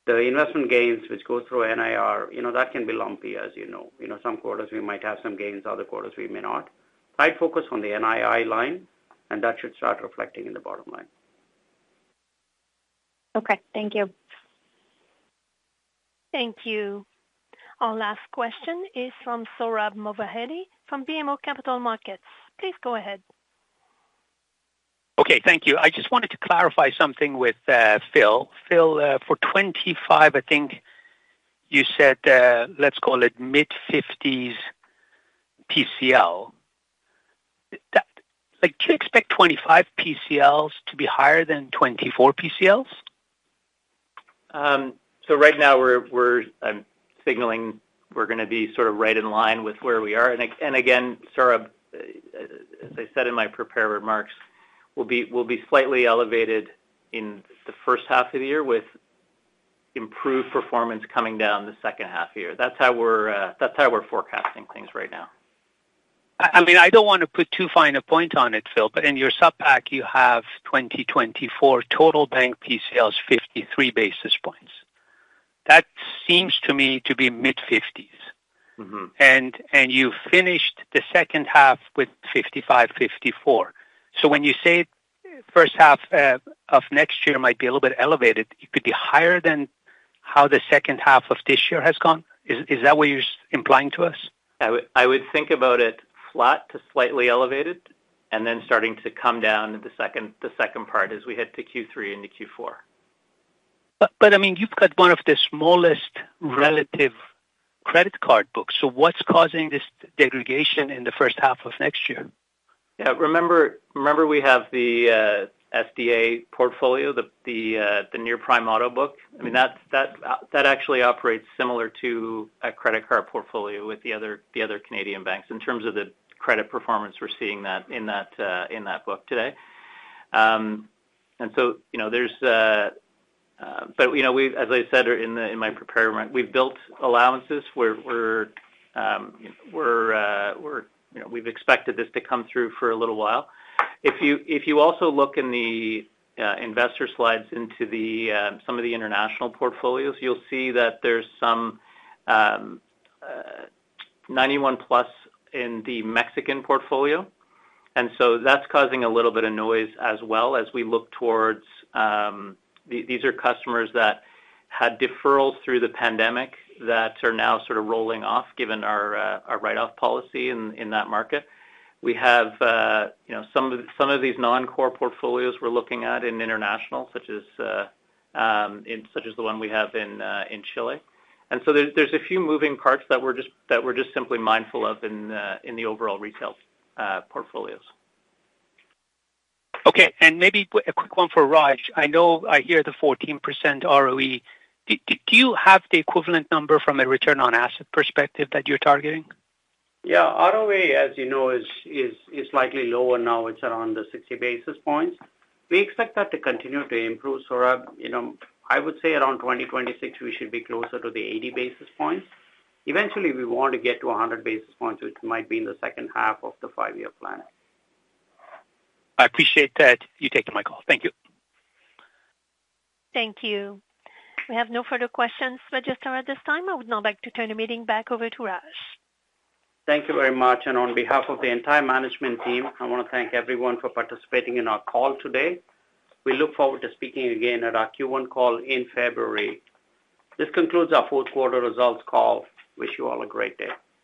The investment gains which go through NIR, that can be lumpy, as you know. Some quarters we might have some gains, other quarters we may not. Tight focus on the NII line, and that should start reflecting in the bottom line. Okay. Thank you. Thank you. Our last question is from Sohrab Movahedi from BMO Capital Markets. Please go ahead. Okay. Thank you. I just wanted to clarify something with Phil. Phil, for 2025, I think you said, let's call it mid-50s PCL. Do you expect 2025 PCLs to be higher than 2024 PCLs? So right now, I'm signaling we're going to be sort of right in line with where we are. And again, Sohrab, as I said in my prepared remarks, we'll be slightly elevated in the first half of the year with improved performance coming down the second half of the year. That's how we're forecasting things right now. I mean, I don't want to put too fine a point on it, Phil, but in your Supp Pack, you have 2024 total bank PCLs, 53 basis points. That seems to me to be mid-50s. And you finished the second half with 55, 54. So when you say first half of next year might be a little bit elevated, it could be higher than how the second half of this year has gone. Is that what you're implying to us? I would think about it flat to slightly elevated and then starting to come down in the second part as we head to Q3 into Q4. But I mean, you've got one of the smallest relative credit card books. So what's causing this degradation in the first half of next year? Yeah. Remember we have the SDA portfolio, the near prime auto book? I mean, that actually operates similar to a credit card portfolio with the other Canadian banks in terms of the credit performance we're seeing in that book today. And so there's a, but as I said in my prepared remarks, we've built allowances where we've expected this to come through for a little while. If you also look in the investor slides into some of the international portfolios, you'll see that there's some 91 plus in the Mexican portfolio. And so that's causing a little bit of noise as well as we look towards. These are customers that had deferrals through the pandemic that are now sort of rolling off, given our write-off policy in that market. We have some of these non-core portfolios we're looking at in international, such as the one we have in Chile. So there's a few moving parts that we're just simply mindful of in the overall retail portfolios. Okay. And maybe a quick one for Raj. I know I hear the 14% ROE. Do you have the equivalent number from a return on asset perspective that you're targeting? Yeah. ROE, as you know, is slightly lower now. It's around the 60 basis points. We expect that to continue to improve. Sohrab, I would say around 2026, we should be closer to the 80 basis points. Eventually, we want to get to 100 basis points, which might be in the second half of the five-year plan. I appreciate that you take the mic. Thank you. Thank you. We have no further questions for just around this time. I would now like to turn the meeting back over to Raj. Thank you very much. On behalf of the entire management team, I want to thank everyone for participating in our call today. We look forward to speaking again at our Q1 call in February. This concludes our fourth quarter results call. Wish you all a great day.